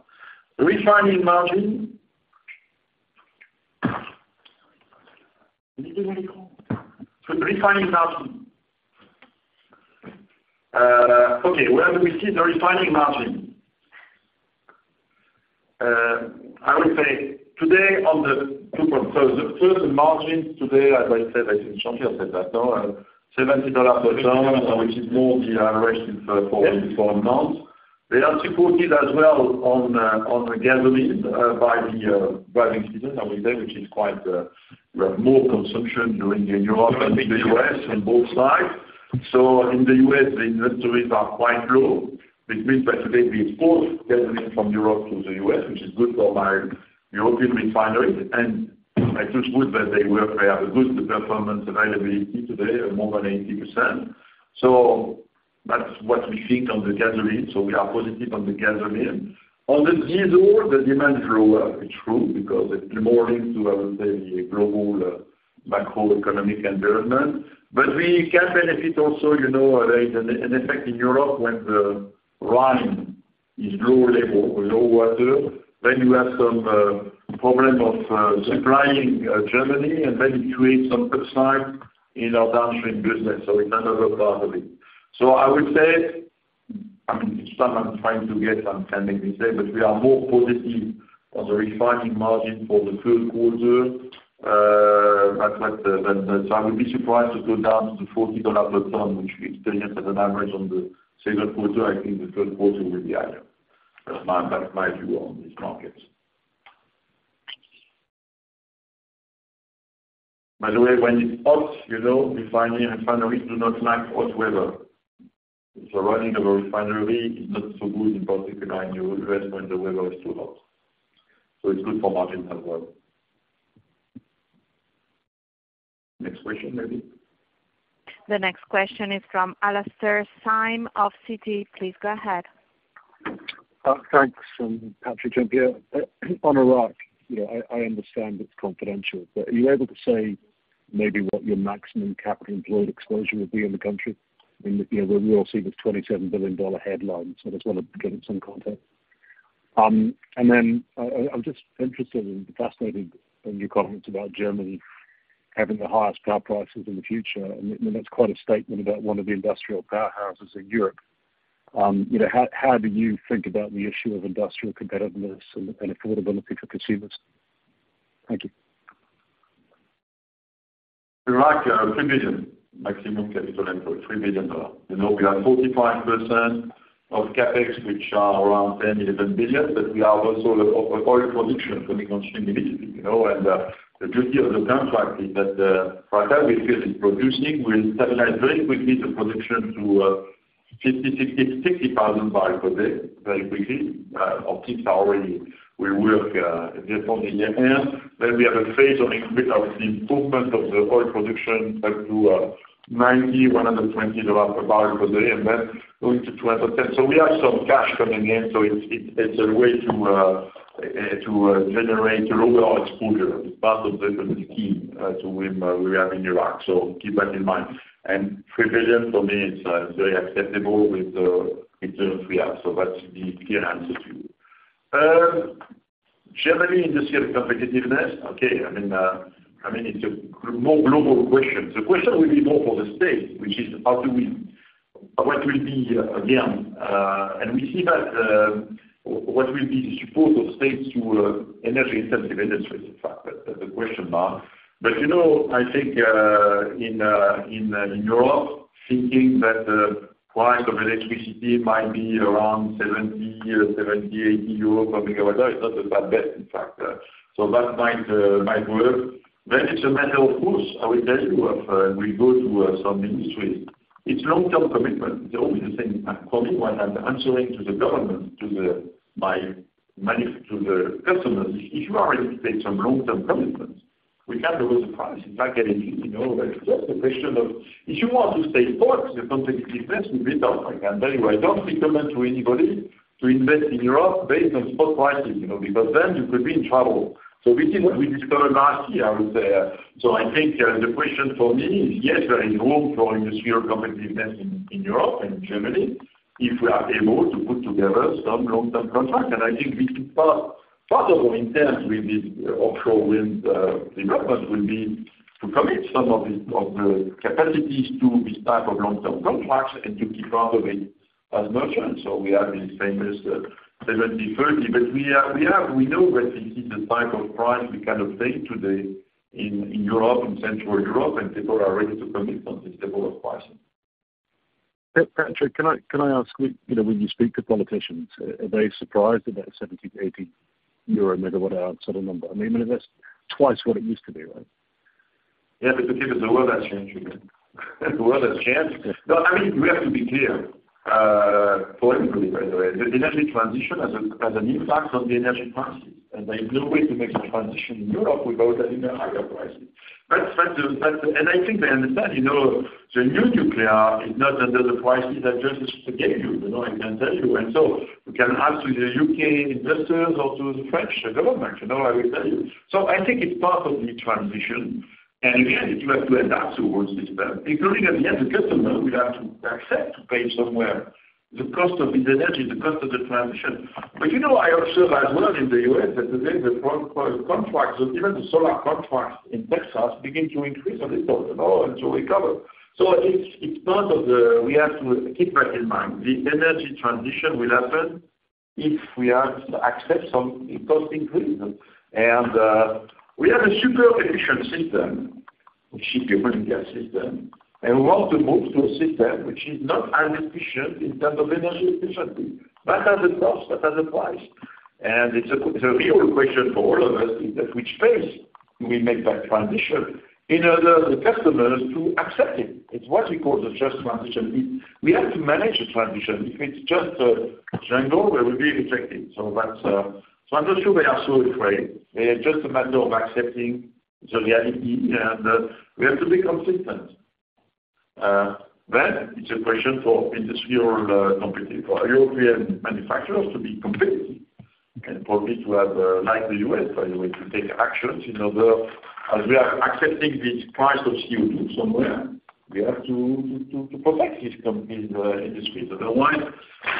Refining margin? Can you hear me? Refining margin. Okay, where do we see the refining margin? I will say, today, on the 2 points. The first margins today, as I said, I think Jean-Pierre said that, no, $70 per ton, which is more the average for a month. They are supported as well on the gasoline by the driving season, I would say, which is quite, we have more consumption during in Europe and in the U.S., on both sides. In the U.S., the inventories are quite low, which means that today we export gasoline from Europe to the U.S., which is good for my European refineries, and it's good that they work. They have a good performance availability today, of more than 80%. That's what we think on the gasoline, so we are positive on the gasoline. On the diesel, the demand is lower, it's true, because it's more linked to, I would say, the global macroeconomic environment. We can benefit also, you know, there is an effect in Europe when the Rhine is low level, low water, then you have some problem of supplying Germany, and then you create some bottleneck in our downstream business, so it's another part of it. I would say, I mean, some I'm trying to get and can make me say, but we are more positive on the refining margin for the third quarter. That's what the, I would be surprised to go down to the $40 per ton, which we experienced as an average on the second quarter. I think the third quarter will be higher. That's my view on this market. By the way, when it's hot, you know, refinery and refineries do not like hot weather. Running of a refinery is not so good, in particular in the U.S., when the weather is too hot. It's good for margin as well. Next question, maybe? The next question is from Alastair Syme of Citi. Please go ahead. Thanks, Patrick Pouyanné, Jean-Pierre. On Iraq, you know, I understand it's confidential, are you able to say maybe what your maximum capital employed exposure would be in the country? I mean, you know, we all see the $27 billion headlines, I just want to get some context. I'm just interested and fascinated in your comments about Germany having the highest power prices in the future, and that's quite a statement about one of the industrial powerhouses in Europe. You know, how do you think about the issue of industrial competitiveness and affordability for consumers? Thank you. Iraq, $3 billion, maximum capital employed, $3 billion. You know, we have 45% of CapEx, which are around $10 billion-$11 billion, we have also oil production coming on stream immediately, you know? The beauty of the contract is that right now, we feel it's producing, we'll stabilize very quickly the production to 50,000, 60,000 barrels per day, very quickly. Our teams are already, we work just on the air. We have a phase on increment of the improvement of the oil production up to $90, $120 per barrel per day, and then going to $210. We have some cash coming in, so it's a way to generate a lower oil exposure. It's part of the key to win we have in Iraq, so keep that in mind. $3 billion, for me, it's very acceptable with the three R, so that's the clear answer to you. Germany industrial competitiveness. Okay. I mean, I mean, it's a more global question. The question will be more for the state, which is what will be again, and we see that, what will be the support of states to energy intensive industries? In fact, that's the question now. You know, I think, in, in Europe, thinking that the price of electricity might be around 70, 80 euro per megawatt hour is not a bad bet, in fact. That might might work. It's a matter, of course, I will tell you, of, we go to some ministries. It's long-term commitment. They're always the same for me, when I'm answering to the government, to the customers. If you are ready to take some long-term commitments, we can lower the price. In fact, you know, that's just a question of if you want to stay spot, your competitiveness will be tough. I can tell you, I don't recommend to anybody to invest in Europe based on spot prices, you know, because then you could be in trouble. We did, we discovered last year, I would say. I think, the question for me is, yes, we are involved for industrial competitiveness in Europe and Germany, if we are able to put together some long-term contracts. I think this is part of our intent with this offshore wind development, will be to commit some of the capacities to this type of long-term contracts and to be part of it as merchant. We have this famous, 70/30, but we know that this is the type of price we can obtain today in Europe, in Central Europe, and people are ready to commit on this level of pricing. Patrick, can I ask you know, when you speak to politicians, are they surprised about 70-80 euro megawatt hour sort of number? I mean, that's twice what it used to be, right? Yeah, the people, the world has changed, the world has changed. I mean, we have to be clear, politically, by the way, the energy transition has an impact on the energy prices, and there is no way to make the transition in Europe without having a higher prices. I think they understand, you know, the new nuclear is not under the prices I just gave you know, I can tell you. You can ask to the UK investors or to the French government, you know, I will tell you. I think it's part of the transition, and again, you have to adapt towards this, but including, at the end, the customer will have to accept to pay somewhere the cost of this energy, the cost of the transition. You know, I observe as well in the U.S., that today, the front oil contracts and even the solar contracts in Texas, begin to increase a little, you know, and to recover. It's, it's part of the... We have to keep that in mind. The energy transition will happen if we are to accept some cost increase. We have a super efficient system, which is human gas system, and we want to move to a system which is not as efficient in terms of energy efficiency. That has a cost, that has a price, and it's a, it's a real question for all of us, is at which phase we make that transition in order the customers to accept it. It's what we call the just transition. We, we have to manage the transition. If it's just a jungle, we will be rejected. That's... I'm not sure they are so afraid. It's just a matter of accepting the reality, we have to be consistent. It's a question for industrial competitive, for European manufacturers to be competitive and for me to have, like the U.S., by the way, to take actions. You know, as we are accepting this price of CO2 somewhere, we have to protect this industry. Otherwise,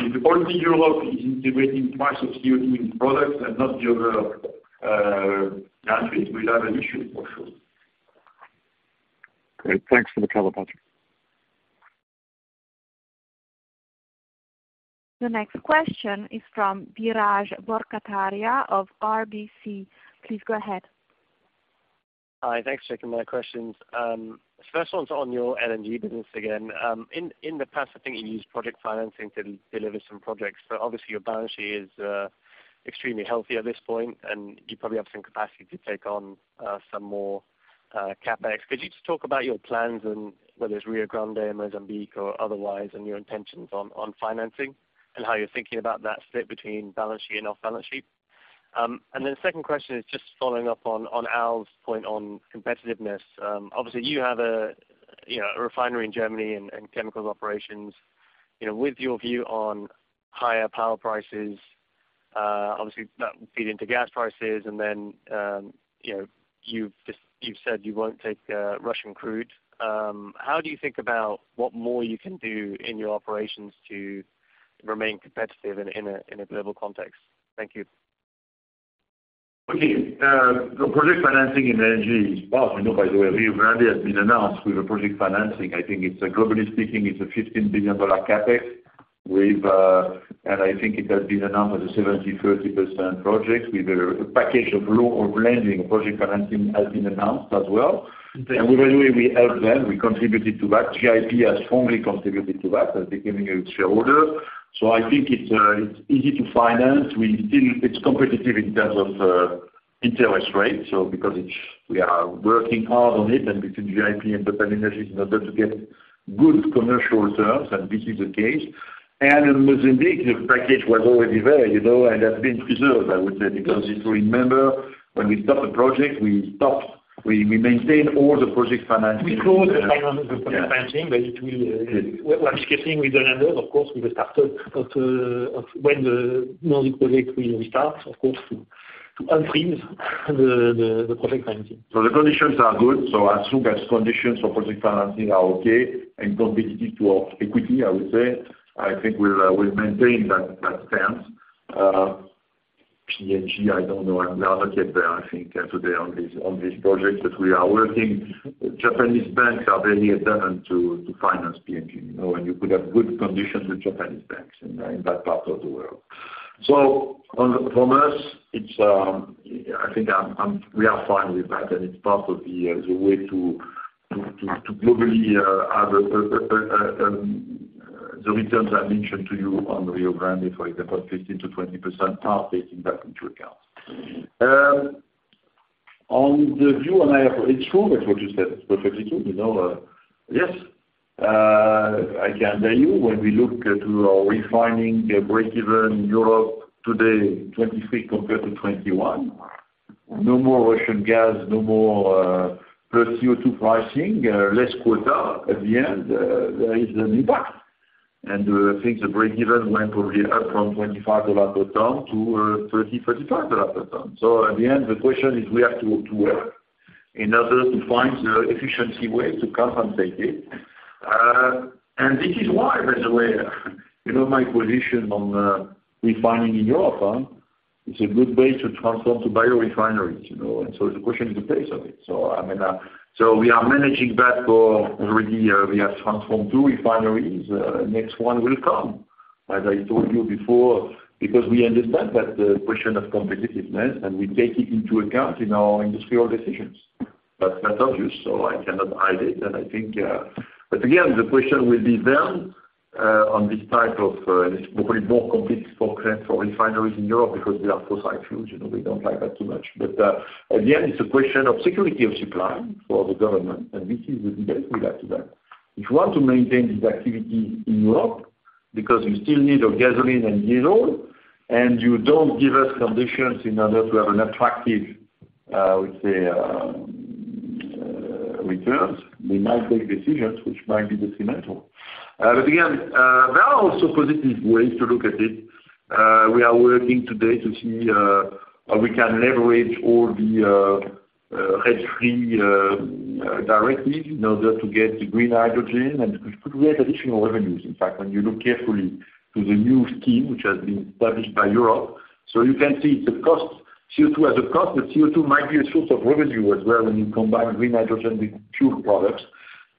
if only Europe is integrating price of CO2 in products and not the other countries, we'll have an issue for sure. Great. Thanks for the call, Patrick. The next question is from Biraj Borkhataria of RBC. Please go ahead. Hi. Thanks for taking my questions. first one's on your LNG business again. In, in the past, I think you used project financing to deliver some projects, but obviously your balance sheet is extremely healthy at this point, and you probably have some capacity to take on some more CapEx. Could you just talk about your plans and whether it's Rio Grande, Mozambique or otherwise, and your intentions on financing and how you're thinking about that split between balance sheet and off balance sheet? The second question is just following up on Al's point on competitiveness. Obviously you have a, you know, a refinery in Germany and chemicals operations. You know, with your view on higher power prices, obviously that will feed into gas prices and then, you know, you've said you won't take, Russian crude. How do you think about what more you can do in your operations to remain competitive in a, in a global context? Thank you. The project financing in LNG is part, you know, by the way, Rio Grande has been announced with a project financing. I think it's globally speaking, a $15 billion CapEx with. I think it has been announced as a 70%/30% project with a package of loan or blending project financing has been announced as well. We, anyway, we helped them. We contributed to that. GIP has strongly contributed to that by becoming a shareholder. I think it's easy to finance. It's competitive in terms of interest rates. Because we are working hard on it between GIP and TotalEnergies in order to get good commercial terms, and this is the case. In Mozambique, the package was already there, you know, and has been preserved, I would say, because if you remember, when we stopped the project, we stopped, we maintained all the project financing. We closed the project financing, but it will, what I'm guessing with the others, of course, we will start up of when the Mozambique project will restart, of course.... to unfreeze the project financing. The conditions are good. As soon as conditions for project financing are okay, and competitive to our equity, I would say, I think we'll maintain that stance. PNG, I don't know, I'm not yet there, I think, today on these projects, but we are working. Japanese banks are very attendant to finance PNG, you know, and you could have good conditions with Japanese banks in that part of the world. On, from us, it's, I think we are fine with that, and it's part of the way to globally have the returns I mentioned to you on Rio Grande, for example, 15%-20% are taking that into account. On the view, and It's true, that's what you said. It's perfectly true, you know, yes, I can tell you, when we look to our refining breakeven in Europe today, 2023 compared to 2021, no more Russian gas, no more, plus CO2 pricing, less quota at the end, there is an impact. I think the breakeven went probably up from $25 per ton to $30-$35 per ton. In the end, the question is we have to work in order to find the efficiency way to compensate it. This is why, by the way, you know my position on refining in Europe, huh? It's a good way to transform to biorefineries, you know, the question is the pace of it. I mean, we are managing that for already, we have transformed two refineries. Next one will come, as I told you before, because we understand that the question of competitiveness, and we take it into account in our industrial decisions. That's obvious, so I cannot hide it, and I think. Again, the question will be then on this type of, it's probably more complex for refineries in Europe because they are fossil fuels, you know, we don't like that too much. At the end, it's a question of security of supply for the government, and this is the debate we have to that. If you want to maintain this activity in Europe because you still need your gasoline and diesel, and you don't give us conditions in order to have an attractive, I would say, returns, we might take decisions which might be detrimental. Again, there are also positive ways to look at it. We are working today to see how we can leverage all the RED directive in order to get the green hydrogen, and it could create additional revenues, in fact, when you look carefully to the new scheme, which has been published by Europe. You can see the cost, CO2 as a cost, but CO2 might be a source of revenue as well, when you combine green hydrogen with fuel products.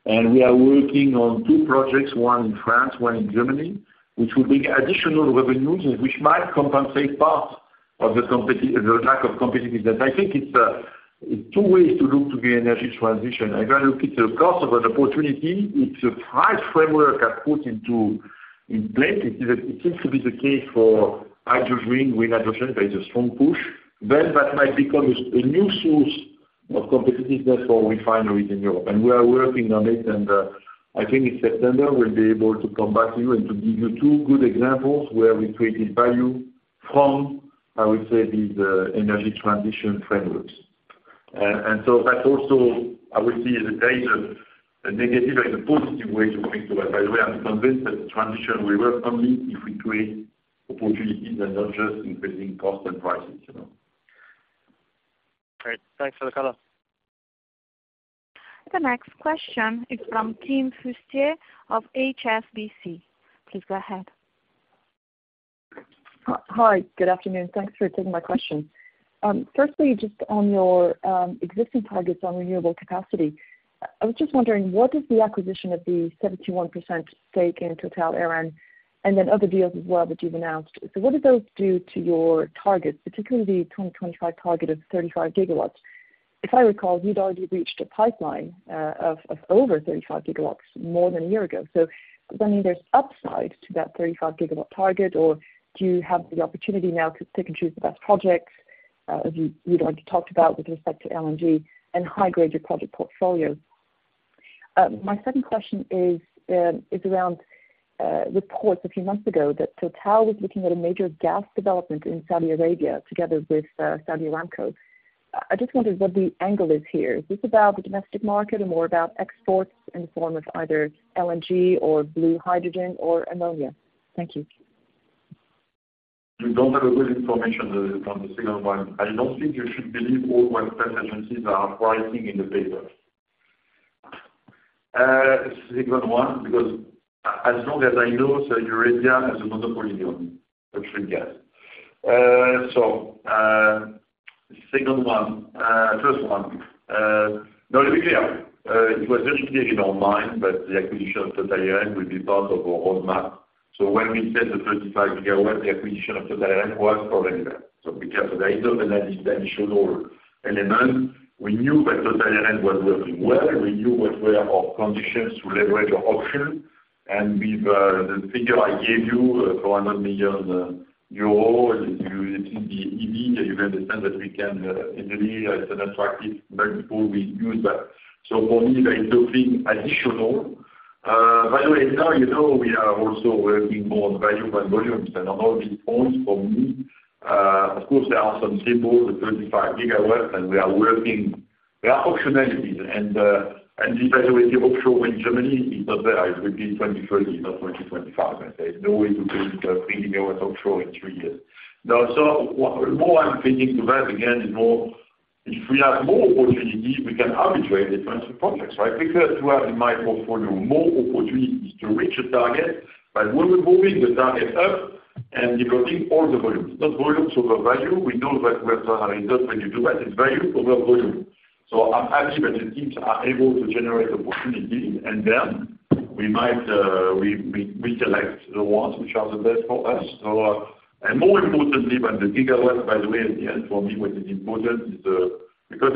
We are working on two projects, one in France, one in Germany, which will bring additional revenues, and which might compensate part of the lack of competitiveness. I think it's two ways to look to the energy transition. If I look at the cost of an opportunity, it's a tight framework I put into in place. It seems to be the case for green hydrogen, there is a strong push. That might become a new source of competitiveness for refineries in Europe, and we are working on it. I think in September, we'll be able to come back to you and to give you two good examples where we created value from, I would say, these energy transition frameworks. That also, I will see in the negative and the positive way to go into that. By the way, I'm convinced that the transition will work only if we create opportunities and not just increasing costs and prices, you know? Great. Thanks for the call. The next question is from Kim Fustier of HSBC. Please go ahead. Hi. Good afternoon. Thanks for taking my question. Firstly, just on your existing targets on renewable capacity, I was just wondering, what is the acquisition of the 71% stake in Total Eren, and then other deals as well, that you've announced? What do those do to your targets, particularly the 2025 target of 35 gigawatts? If I recall, you'd already reached a pipeline of over 35 gigawatts more than a year ago. Does that mean there's upside to that 35 gigawatt target, or do you have the opportunity now to pick and choose the best projects, as you'd already talked about with respect to LNG and high-grade your project portfolio? My second question is around reports a few months ago that TotalEnergies was looking at a major gas development in Saudi Arabia, together with Saudi Aramco. I just wondered what the angle is here. Is this about the domestic market, or more about exports in the form of either LNG or green hydrogen or ammonia? Thank you. You don't have a good information on the second one. I don't think you should believe all what press agencies are writing in the paper. Second one, because as long as I know, Sir, Eurasia has a monopoly on the trade gas. Second one, first one, now to be clear, it was actually in our mind, the acquisition of Total Eren will be part of our roadmap. When we said the 35 gigawatt, the acquisition of Total Eren was already there. Be careful, there is no financial or element. We knew that Total Eren was working well. We knew what were our conditions to leverage our option, and with the figure I gave you, 400 million euro, you, it is the EV, you understand that we can easily, it's an attractive multiple, we use that. For me, there is nothing additional. By the way, now you know, we are also working on value and volumes, and on all these points for me, of course, there are some symbols, the 35 gigawatts, and we are working. There are optionalities, and, by the way, the offshore wind Germany is not there. It will be 2030, not 2025. There is no way to build 3 gigawatts offshore in 3 years. What more I'm thinking to that, again, is more if we have more opportunities, we can arbitrate different projects, right? Because you have in my portfolio more opportunities to reach a target, but we're moving the target up and developing all the volumes. Not volumes over value. We know that when you do that, it's value over volume. I'm happy that the teams are able to generate opportunity, and then we might select the ones which are the best for us. And more importantly, when the gigawatts, by the way, at the end, for me, what is important is because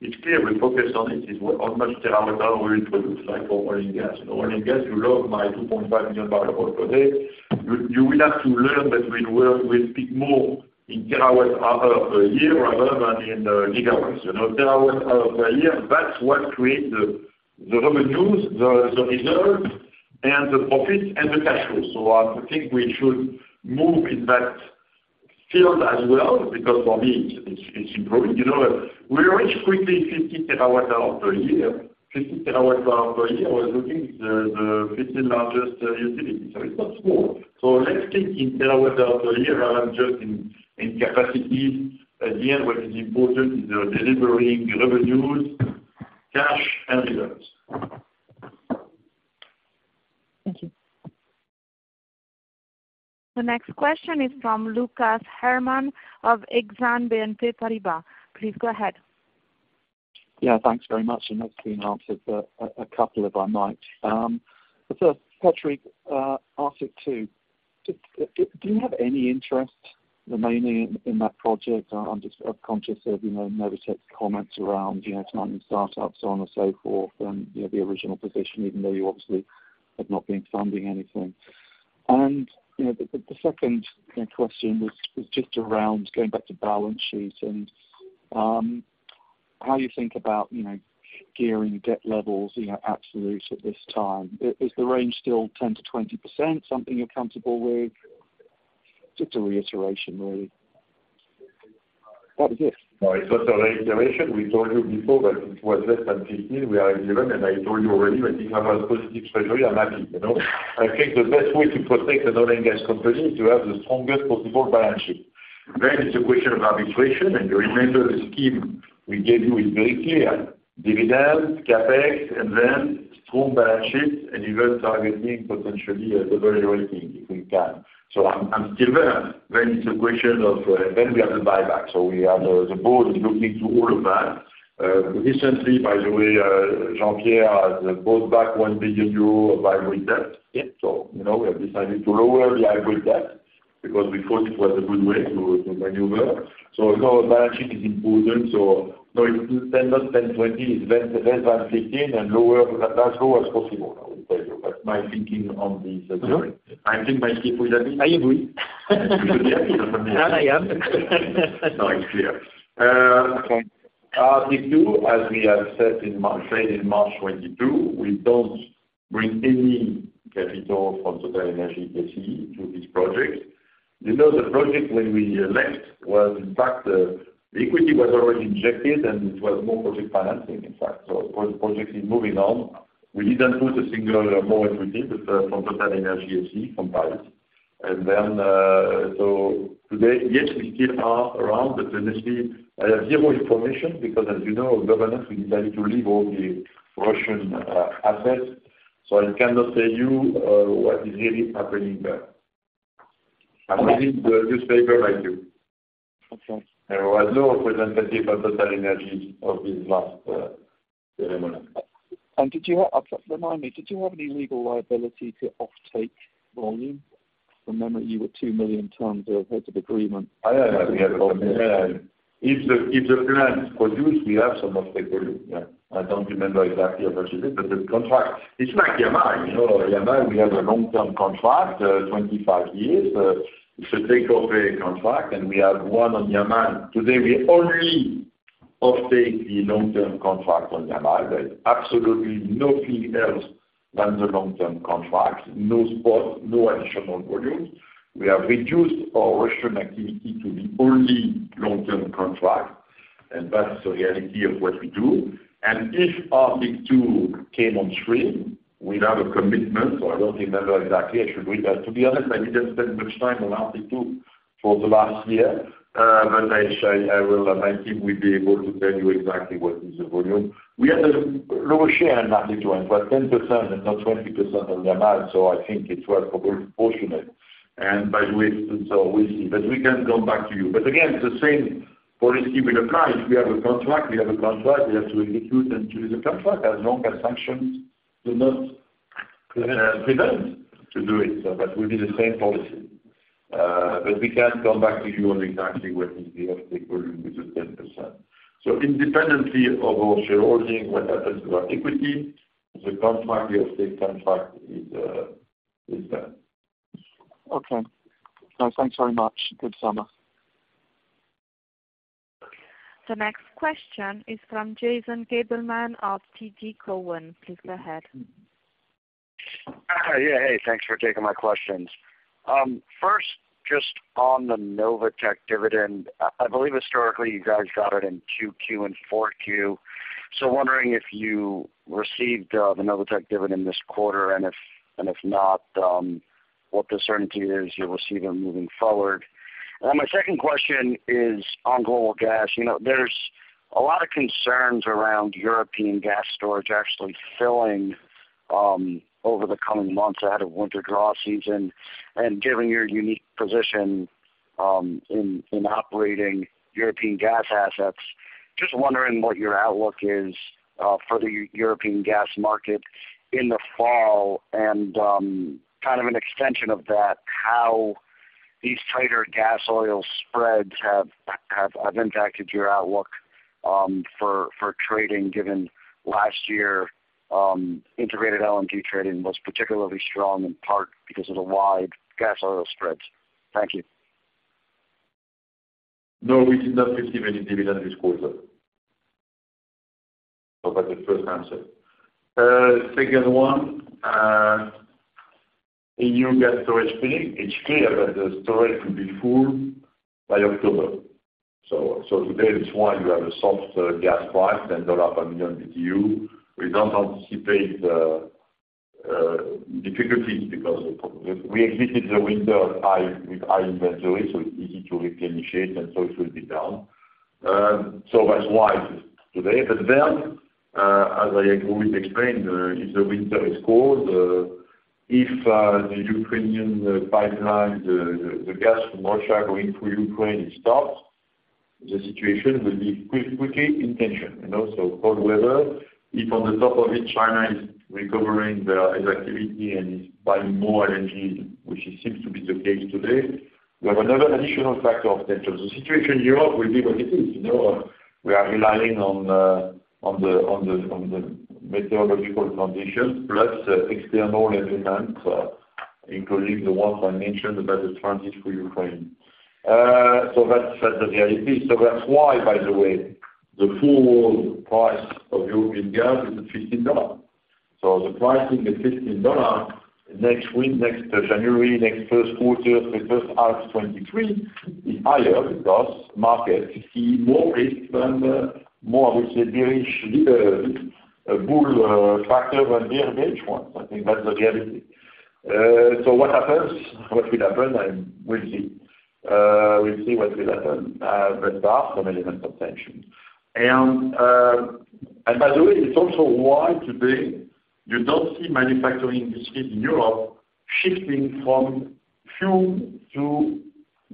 it's clear, we focus on it, is what, how much terawatt-hour it looks like for oil and gas. In oil and gas, you love my 2.5 million barrel oil per day. You will have to learn that we work, we speak more in kilowatt-hour per year rather than in gigawatts. You know, kilowatt-hour per year, that's what create the revenues, the reserve, and the profit, and the cash flow. I think we should move in that field as well, because for me, it's, it's improving. You know, we reach quickly 50 terawatt hours per year. 50 terawatt hours per year, we're looking the 50 largest utilities, so it's not small. Let's think in terawatt hour per year rather than just in capacities. At the end, what is important is delivering revenues, cash, and results. Thank you. The next question is from Lucas Herrmann of Exane BNP Paribas. Please go ahead. Thanks very much, and that's been answered a couple of I might. First, Patrick, Arctic two. Do you have any interest remaining in that project? I'm just conscious of, you know, Novatek's comments around, you know, starting startups, so on and so forth, and, you know, the original position, even though you obviously have not been funding anything. The second question was just around going back to balance sheet and how you think about, you know, gearing debt levels, you know, absolutes at this time. Is the range still 10%-20% something you're comfortable with? Just a reiteration, really. That was it. It's just a reiteration. We told you before that it was less than 15. We are 11, and I told you already, when you have a positive treasury, I'm happy, you know? I think the best way to protect an oil and gas company is to have the strongest possible balance sheet. It's a question of arbitration, and you remember the scheme we gave you is very clear. Dividends, CapEx, and then strong balance sheet, and even targeting potentially a double rating, if we can. I'm still there. It's a question of, then we have the buyback, so we have the board is looking to all of that. Recently, by the way, Jean-Pierre has bought back 1 billion of hybrid debt. You know, we have decided to lower the hybrid debt because we thought it was a good way to maneuver. You know, balance sheet is important, no, it's 10, not 10, 20. It's less than 15, and lower, as low as possible. That's my thinking on the subject. I think my people will agree. I agree. I am. No, it's clear. Arctic 2, as we have said in March 2022, we don't bring any capital from TotalEnergies SE to this project. You know, the project, when we left, was in fact, the equity was already injected, and it was more project financing, in fact. For the project is moving on, we didn't put a single more equity from TotalEnergies SE, from Paris. Today, yes, we still are around, but honestly, I have zero information because, as you know, governance, we decided to leave all the Russian assets. I cannot tell you what is really happening there. I read the newspaper like you. Okay. There was no representative of TotalEnergies of this last ceremony. Remind me, did you have any legal liability to offtake volume? From memory, you were 2 million tons of heads of agreement. If the plant produce, we have some offtake volume. Yeah. I don't remember exactly how much it is, but the contract, it's like Yamal. You know, Yamal, we have a long-term contract, 25 years. It's a take-or-pay contract. We have one on Yamal. Today, we only offtake the long-term contract on Yamal. There's absolutely nothing else than the long-term contracts, no spot, no additional volumes. We have reduced our Russian activity to the only long-term contract. That's the reality of what we do. If Arctic LNG 2 came on stream, we'd have a commitment. I don't remember exactly. I should read that. To be honest, I didn't spend much time on Arctic LNG 2 for the last year. My team will be able to tell you exactly what is the volume. We have a lower share in Arctic 1, but 10% and not 20% on Yamal, so I think it's well proportionate. By the way, so we'll see, but we can come back to you. Again, the same policy will apply. If we have a contract, we have a contract. We have to execute and to the contract, as long as sanctions do not prevent to do it. That will be the same policy, but we can come back to you on exactly what is the offtake volume with the 10%. Independently of our shareholding, what happens to our equity, the contract, the offtake contract is that. Okay. No, thanks very much. Good summer. The next question is from Jason Gabelman of TD Cowen. Please go ahead. Yeah, hey, thanks for taking my questions. First, just on the Novatek dividend, I believe historically you guys got it in Q2 and 4Q. Wondering if you received the Novatek dividend this quarter, and if, and if not, what the certainty is you will see them moving forward? My second question is on global gas. You know, there's a lot of concerns around European gas storage actually filling over the coming months out of winter draw season. Given your unique position in operating European gas assets, just wondering what your outlook is for the European gas market in the fall? kind of an extension of that, how these tighter gas oil spreads have impacted your outlook, for trading, given last year, integrated LNG trading was particularly strong, in part because of the wide gas oil spreads. Thank you. No, we did not receive any dividend this quarter. That's the first answer. Second one, in new gas storage thing, it's clear that the storage will be full by October. Today, that's why you have a soft gas price, $10 per million BTU. We don't anticipate difficulties because we exited the winter high, with high inventory, so it's easy to replenish it, and so it will be down. That's why today, but then, as I always explained, if the winter is cold, if the Ukrainian pipeline, the gas from Russia going through Ukraine is stopped, the situation will be quickly in tension, you know? Cold weather, if on the top of it, China is recovering their activity and is buying more LNG, which it seems to be the case today, we have another additional factor of tension. The situation in Europe will be what it is, you know. We are relying on the meteorological conditions, plus external events, including the ones I mentioned about the transit through Ukraine. That's the reality. That's why, by the way, the full price of European gas is at $15. The price in the $15 next week, next January, next first quarter, the first half 2023, is higher because markets see more risk than more, obviously, bearish bull factor than bearish one. I think that's the reality. What happens, what will happen? We'll see. We'll see what will happen. That's an element of tension. By the way, it's also why today you don't see manufacturing industry in Europe shifting from fuel to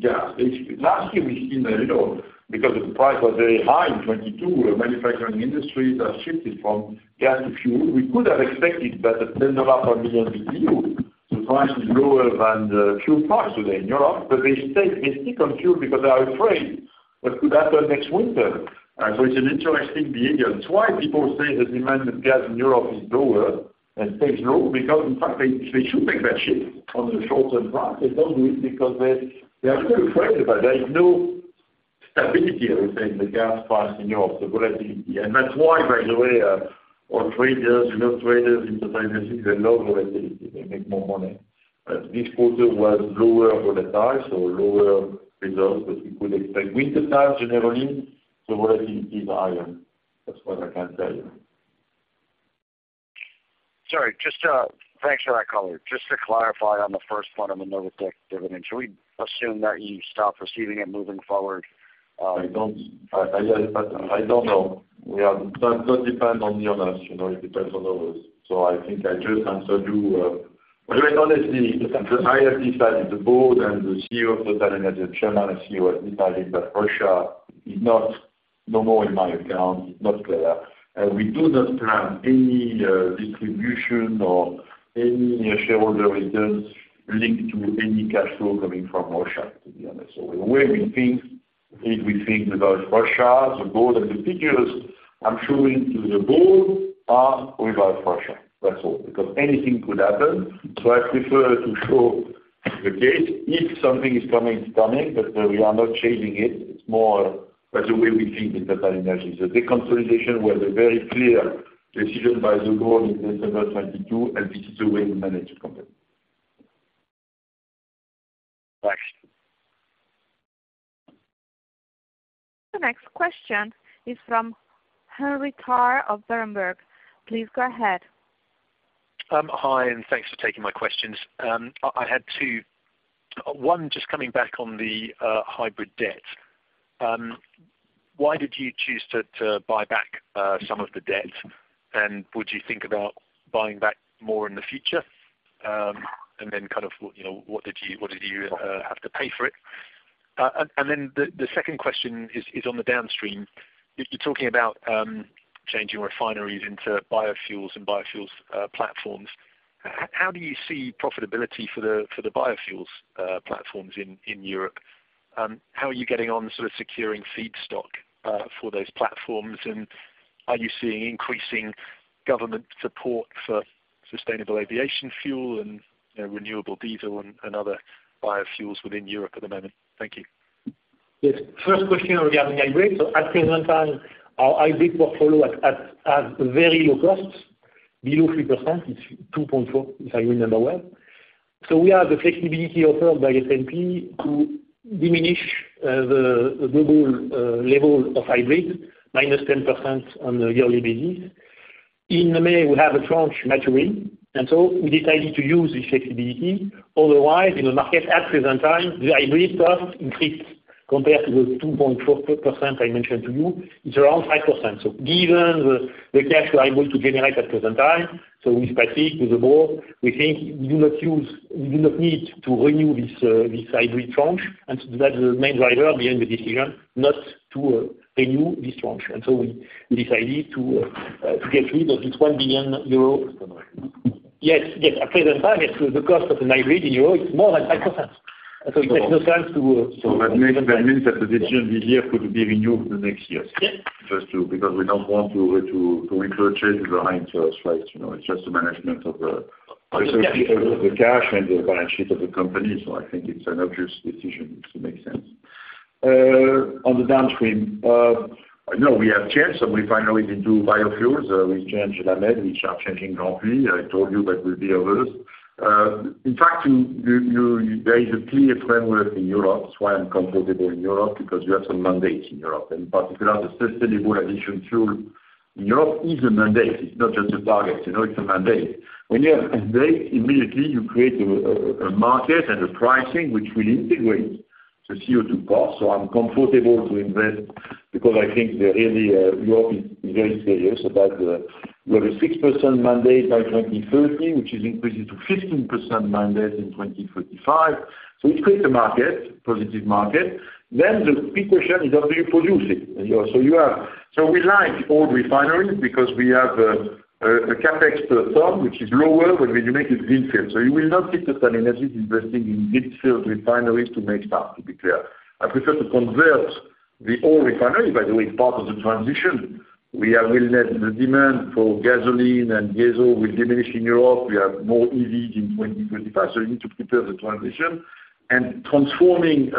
gas. Last year we've seen a little, because the price was very high in 2022, the manufacturing industries are shifting from gas to fuel. We could have expected that at $10 per million BTU, the price is lower than the fuel price today in Europe, they stay on fuel because they are afraid what could happen next winter. It's an interesting behavior. That's why people say the demand of gas in Europe is lower and stays low, because in fact, they should make that shift on the short-term price. They don't do it because they are still afraid, but there is no stability, I would say, in the gas price in Europe, the volatility. That's why, by the way, our traders, you know, traders in TotalEnergies, they love volatility. They make more money. This quarter was lower volatile, so lower results. We could expect wintertime generally, the volatility is higher. That's what I can tell you. Thanks for that color. Just to clarify on the first point on the Novatek dividend, should we assume that you stopped receiving it moving forward? I don't, I don't know. We are, that does depend on us, you know? It depends on others. I think I just answered you. Honestly, I have decided, the board and the Chairman and CEO of TotalEnergies, has decided that Russia is not, no more in my account, it's not clear. We do not plan any distribution or any shareholder returns linked to any cash flow coming from Russia, to be honest. The way we think, if we think about Russia, the board and the figures I'm showing to the board are without Russia. That's all, because anything could happen, so I prefer to show the case. If something is coming, it's coming, but we are not shading it. It's more, that's the way we think in TotalEnergies, that the consolidation was a very clear decision by the board in December 2022. This is the way we manage the company. Thanks. The next question is from Henry Tarr of Berenberg. Please go ahead. Hi, and thanks for taking my questions. I had two. One, just coming back on the hybrid debt. Why did you choose to buy back some of the debt, and would you think about buying back more in the future? Then kind of, you know, what did you have to pay for it? Then the second question is on the downstream. You're talking about changing refineries into biofuels and biofuels platforms. How do you see profitability for the biofuels platforms in Europe? How are you getting on sort of securing feedstock for those platforms? Are you seeing increasing government support for sustainable aviation fuel and, you know, renewable diesel and other biofuels within Europe at the moment? Thank you. First question regarding hybrids. At present time, our hybrid portfolio at has very low costs, below 3%. It's 2.4, if I remember well. We have the flexibility offered by SMP to diminish the global level of hybrid, minus 10% on a yearly basis. In May, we have a tranche maturing, we decided to use this flexibility. Otherwise, in the market at present time, the hybrid cost increased compared to the 2.4% I mentioned to you, it's around 5%. Given the cash we are able to generate at present time, with Patrick, with the board, we think we do not need to renew this hybrid tranche. That is the main driver behind the decision not to renew this tranche. We decided to get rid of this 1 billion euro. Yes, at present time, it's the cost of the hybrid in euro, it's more than 5%. It makes no sense to. That means that the decision this year could be renewed the next year? Yes. Just to, because we don't want to incur changes behind us, right? You know, it's just a management of. The cash. The cash and the balance sheet of the company, so I think it's an obvious decision, it makes sense. On the downstream, no, we have changed, and we finally did do biofuels. We've changed La Mède, we are changing Grandpuits. I told you that will be others. In fact, you there is a clear framework in Europe. That's why I'm comfortable in Europe, because you have some mandates in Europe, and in particular, the sustainable aviation fuel in Europe is a mandate. It's not just a target, you know, it's a mandate. When you have a mandate, immediately you create a market and a pricing, which will integrate the CO2 cost. I'm comfortable to invest because I think that really Europe is very serious about the... We have a 6% mandate by 2030, which is increasing to 15% mandate in 2035. It creates a market, positive market. The big question is, how do you produce it? We like old refineries because we have a CapEx per ton, which is lower when you make it greenfield. You will not see TotalEnergies investing in greenfield refineries to make start, to be clear. I prefer to convert the old refinery. By the way, it's part of the transition. We are realizing the demand for gasoline and diesel will diminish in Europe. We have more EVs in 2035, so you need to prepare the transition. Transforming,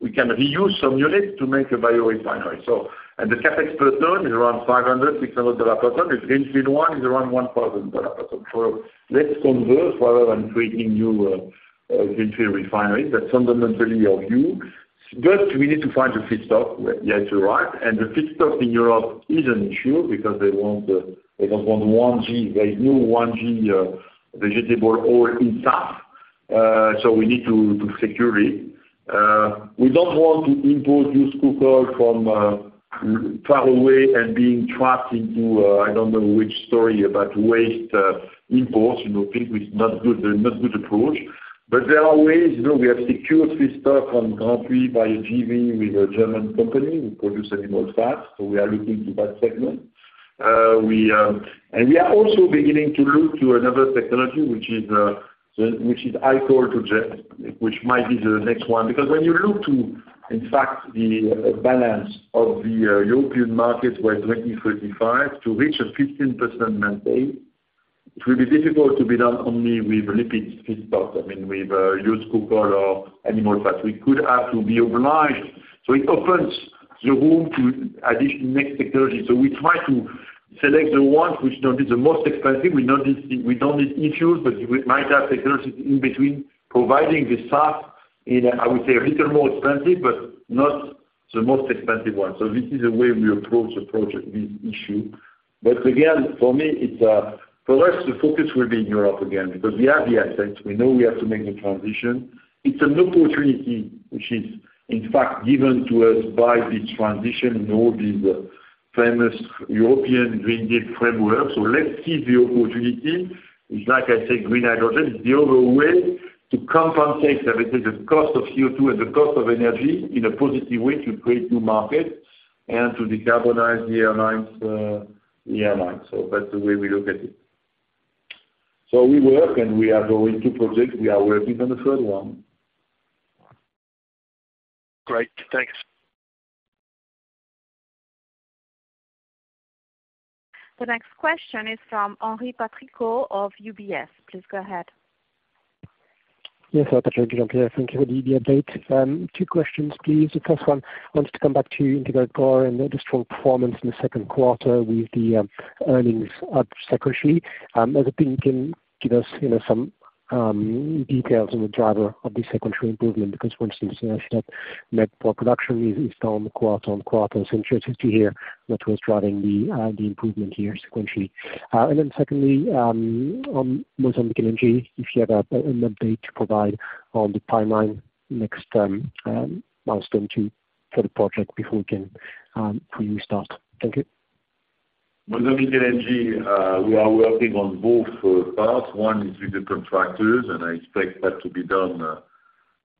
we can reuse some units to make a bio refinery. The CapEx per ton is around $500-$600 per ton. The greenfield one is around $1,000 per ton. Let's convert rather than creating new greenfield refineries. That's fundamentally of you. We need to find a feedstock, yeah, to arrive, and the feedstock in Europe is an issue because they want, they don't want 1G. There is no 1G vegetable oil in south. We need to secure it. We don't want to import used cooking oil from far away and being trapped into I don't know which story about waste imports, you know, think it's not good approach. There are ways, you know, we have secured feedstock from Grandpuits by a JV with a German company. We produce animal fats, so we are looking to that segment. We are also beginning to look to another technology, which is Alcohol-to-Jet, which might be the next one. When you look to, in fact, the balance of the European market by 2035, to reach a 15% mandate, it will be difficult to be done only with lipid feedstock. I mean, with used cooking oil or animal fat. We could have to be over relied, it opens the room to addition next technology. We try to select the ones which don't need the most expensive. We not need, we don't need issues, we might have technologies in between providing the SAP in, I would say, a little more expensive, but not the most expensive one. This is the way we approach this issue. Again, for me, it's, for us, the focus will be in Europe again, because we have the assets, we know we have to make the transition. It's an opportunity which is, in fact, given to us by this transition and all these famous European Green Deal frameworks. Let's see the opportunity. It's like I said, green hydrogen is the other way to compensate everything, the cost of CO2 and the cost of energy in a positive way to create new markets and to decarbonize the airlines. That's the way we look at it. We work, and we are working on the third one. Great. Thanks. The next question is from Henri Patricot of UBS. Please go ahead. Yes, thank you, Jean-Pierre. Thank you for the update. 2 questions, please. The first one, I wanted to come back to integrated core and the strong performance in the 2nd quarter with the earnings at Sakhalin. As a team, can you give us, you know, some details on the driver of the sequential improvement? For instance, I see that net power production is down quarter on quarter, so curiosity here, what was driving the improvement here sequentially? Secondly, on Mozambique LNG, if you have an update to provide on the timeline, next milestone for the project before we can fully restart. Thank you. Mozambique LNG, we are working on both parts. One is with the contractors, and I expect that to be done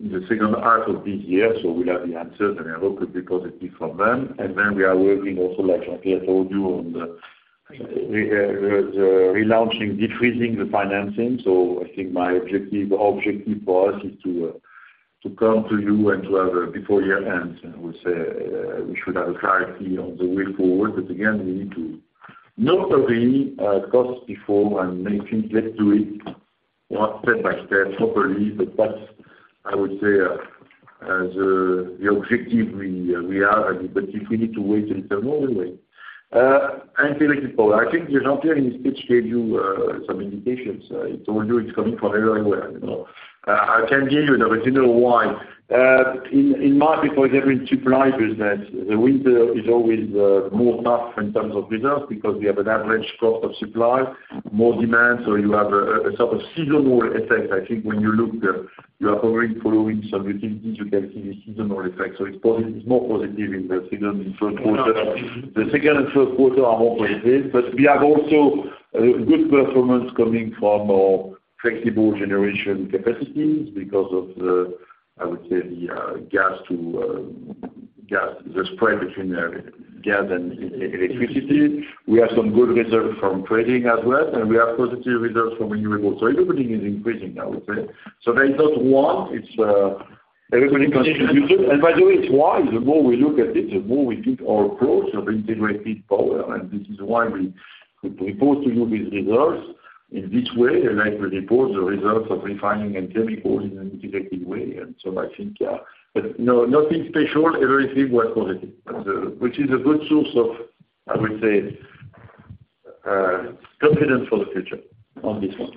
in the second half of this year. We'll have the answers, and I hope it will be positive for them. Then we are working also, like Jean-Pierre told you, on the relaunching, defreezing the financing. I think my objective for us is to come to you and to have a before year end, and we say, we should have a clarity on the way forward. Again, we need to not hurry, cost before and I think let's do it, well, step by step properly. That's, I would say, as the objective we have. If we need to wait a little more, we wait. Integrated power, I think Jean-Pierre in his speech gave you some indications. He told you it's coming from everywhere, you know? I can give you the but you know why. In market, for example, in supply business, the winter is always more tough in terms of business because we have an average cost of supply, more demand, so you have a sort of seasonal effect. I think when you look, you are probably following some utilities, you can see the seasonal effect. It's positive, it's more positive in the season, in first quarter. The second and first quarter are more positive, but we have also a good performance coming from our flexible generation capacities because of the, I would say, the spread between the gas and electricity. We have some good results from trading as well, and we have positive results from renewables. Everything is increasing, I would say. There is not one, it's everybody contribution. By the way, it's why the more we look at it, the more we think our approach of integrated power, and this is why we report to you these results in this way, and I will report the results of refining and chemicals in an integrated way, and so I think, yeah. No, nothing special, everything was positive, which is a good source of, I would say, confidence for the future on this one.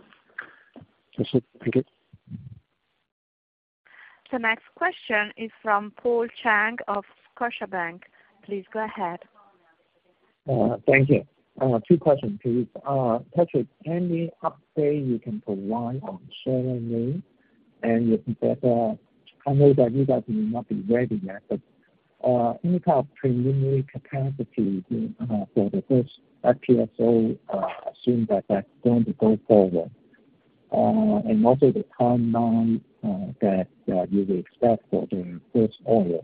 That's it. Thank you. The next question is from Paul Cheng of Scotiabank. Please go ahead. Thank you. Two questions, please. Patrick, any update you can provide on Suriname? With that, I know that you guys will not be ready yet, but any type of preliminary capacity for the first FPSO, assuming that that's going to go forward, and also the timeline that you would expect for the first order.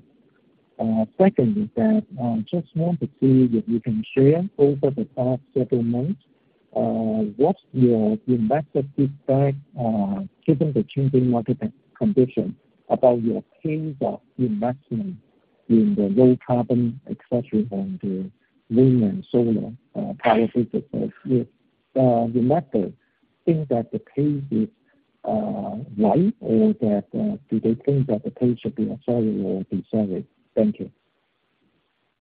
Secondly, that just want to see if you can share over the past several months, what's your investor feedback given the changing market conditions about your teams are investing in the low carbon, et cetera, and the wind and solar power business as well? The matter, think that the pace is right, or that do they think that the pace should be accelerated or decelerated? Thank you.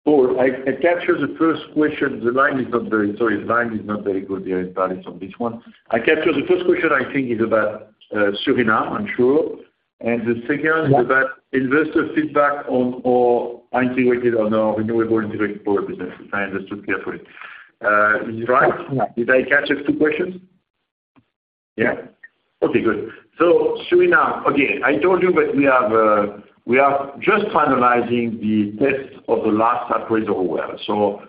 Paul, I capture the first question. Sorry, the line is not very good here, but it's on this one. I capture the first question, I think, is about Suriname, I'm sure. The second. Yeah. is about investor feedback on our integrated or no renewable integrated power business. I understood carefully. Is it right? Yeah. Did I capture the two questions? Yeah? Okay, good. Suriname, okay, I told you that we have, we are just finalizing the test of the last appraisal well.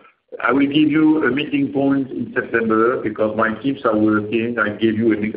I will give you a meeting point in September because my teams are working. I gave you a big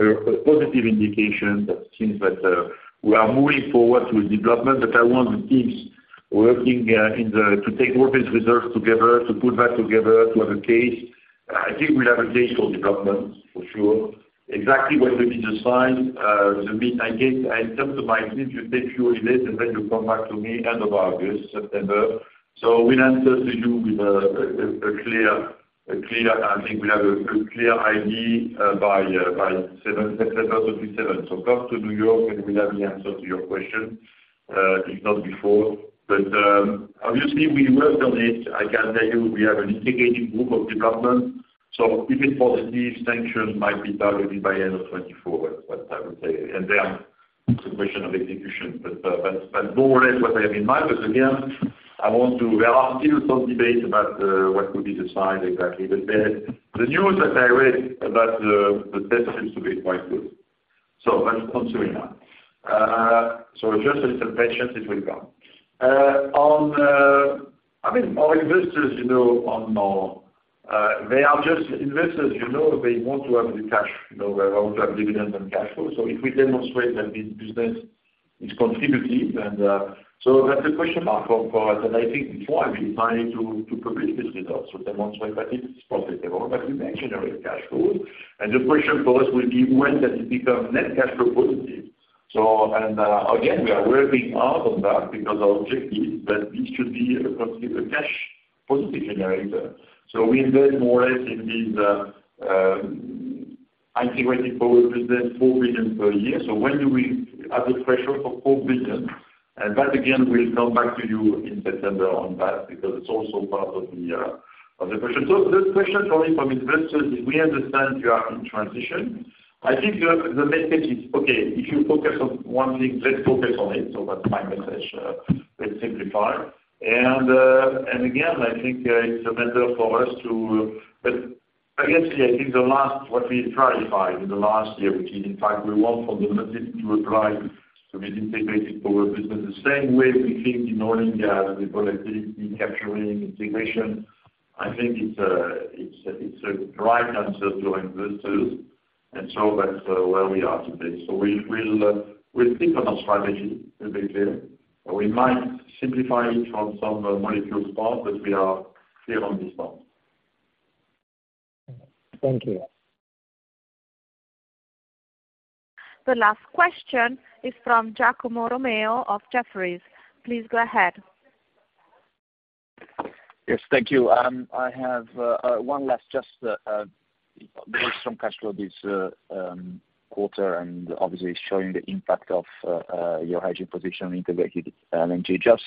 positive indication that since that, we are moving forward with development, but I want the teams working to take all these results together, to put that together, to have a case. I think we'll have a case for development, for sure. Exactly what will be the sign, I told to my team to take few days, you come back to me end of August, September. We'll answer to you with a clear, I think we'll have a clear idea by September 27th. Come to New York, and we'll have the answer to your question if not before. Obviously, we worked on it. I can tell you, we have an integrated group of development, so if it's positive, sanctions might be targeted by end of 2024, what I would say, and then it's a question of execution. More or less what I have in mind, but again, I want to. There are still some debates about what could be the sign exactly. The news that I read about the data seems to be quite good. That's on Suriname. Just a little patience, it will come. I mean, our investors, you know, they are just investors, you know, they want to have the cash, you know, they want to have dividends and cash flow. If we demonstrate that this business is contributing, then that's the question mark for us. I think before I will be trying to publish this result, demonstrate that it is profitable, but we may generate cash flow. The question for us will be when does it become net cash flow positive? Again, we are working hard on that because our objective is that this should be a positive cash positive generator. We invest more or less in these integrated power business, $4 billion per year. When do we have the threshold for $4 billion? And that, again, we'll come back to you in September on that because it's also part of the question. The question coming from investors is, we understand you are in transition. I think the message is, okay, if you focus on one thing, let's focus on it. That's my message, let's simplify. Again, I think it's a matter for us to. Obviously, I think the last, what we clarified in the last year, which is in fact we want fundamentally to apply to this integrated power business, the same way we think in Oil India, the productivity, capturing, integration. I think it's a right answer to investors, that's where we are today. We'll think about strategy a bit there. We might simplify it from some molecule part, but we are clear on this one. Thank you. The last question is from Giacomo Romeo of Jefferies. Please go ahead. Yes, thank you. I have one last just based on cash flow this quarter, and obviously showing the impact of your hedging position integrated LNG. Just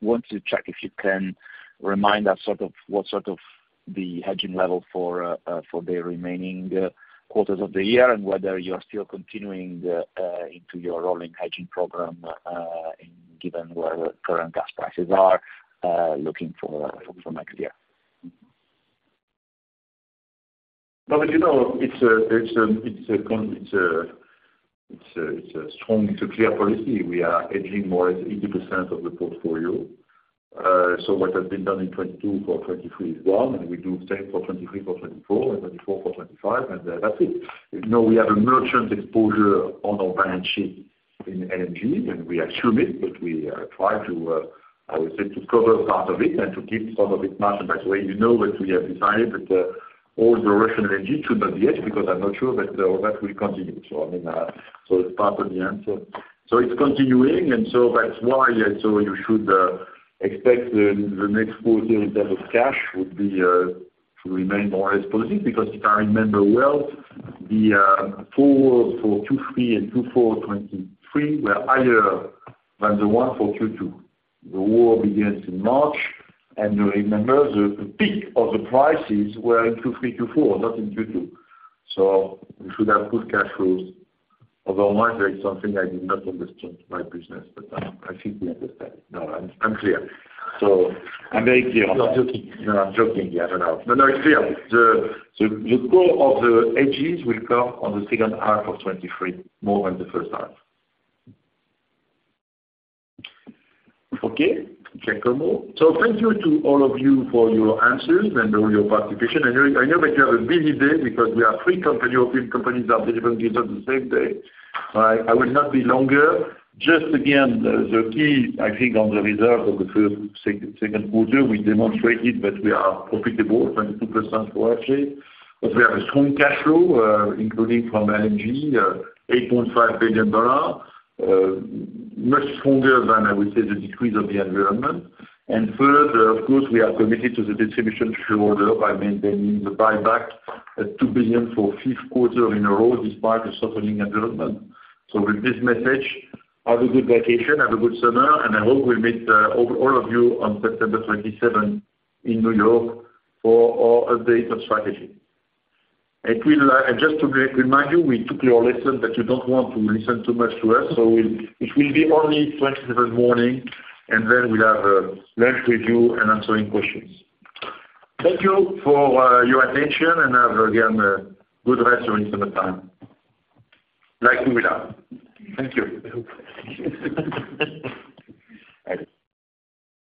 want to check if you can remind us sort of, what sort of the hedging level for the remaining quarters of the year, and whether you are still continuing the into your rolling hedging program, and given where the current gas prices are looking for next year? Well, you know, it's a strong, it's a clear policy. We are hedging more than 80% of the portfolio. What has been done in 2022 for 2023 is one, and we do the same for 2023 for 2024, and 2024 for 2025, and that's it. You know, we have a merchant exposure on our balance sheet in LNG, and we assume it, but we try to, I would say, to cover part of it and to keep some of it matched. By the way, you know that we have decided that all the Russian LNG should not be hedged, because I'm not sure that that will continue. I mean, so it's part of the answer. It's continuing, that's why, you should expect the next quarter in terms of cash would be to remain more or less positive, because if I remember well, the 4 for 2023 and 24 2023 were higher than the 1 for Q2. The war began in March, you remember the peak of the prices were in Q3, Q4, not in Q2. We should have good cash flows. There is something I do not understand my business, I think we understand. No, I'm clear. I'm very clear. You're joking. No, I'm joking. Yeah, I don't know. No, it's clear. The core of the hedges will come on the second half of 2023, more than the first half. Okay, Giacomo. Thank you to all of you for your answers and your participation. I know that you have a busy day because we are three company, European companies that deliver results on the same day, right? I will not be longer. Just again, the key, I think, on the reserve of the first second quarter, we demonstrated that we are profitable, 22% for actually. We have a strong cash flow, including from LNG, $8.5 billion, much stronger than, I would say, the decrease of the environment. Further, of course, we are committed to the distribution to shareholder by maintaining the buyback at $2 billion for 5th quarter in a row, despite the softening environment. With this message, have a good vacation, have a good summer, and I hope we meet all of you on September 27th in New York for our update on strategy. It will, and just to remind you, we took your lesson, that you don't want to listen too much to us, so we'll, it will be only 20 minutes morning, and then we'll have a lunch with you and answering questions. Thank you for your attention, and have, again, a good rest of your summer time. Like we will have. Thank you.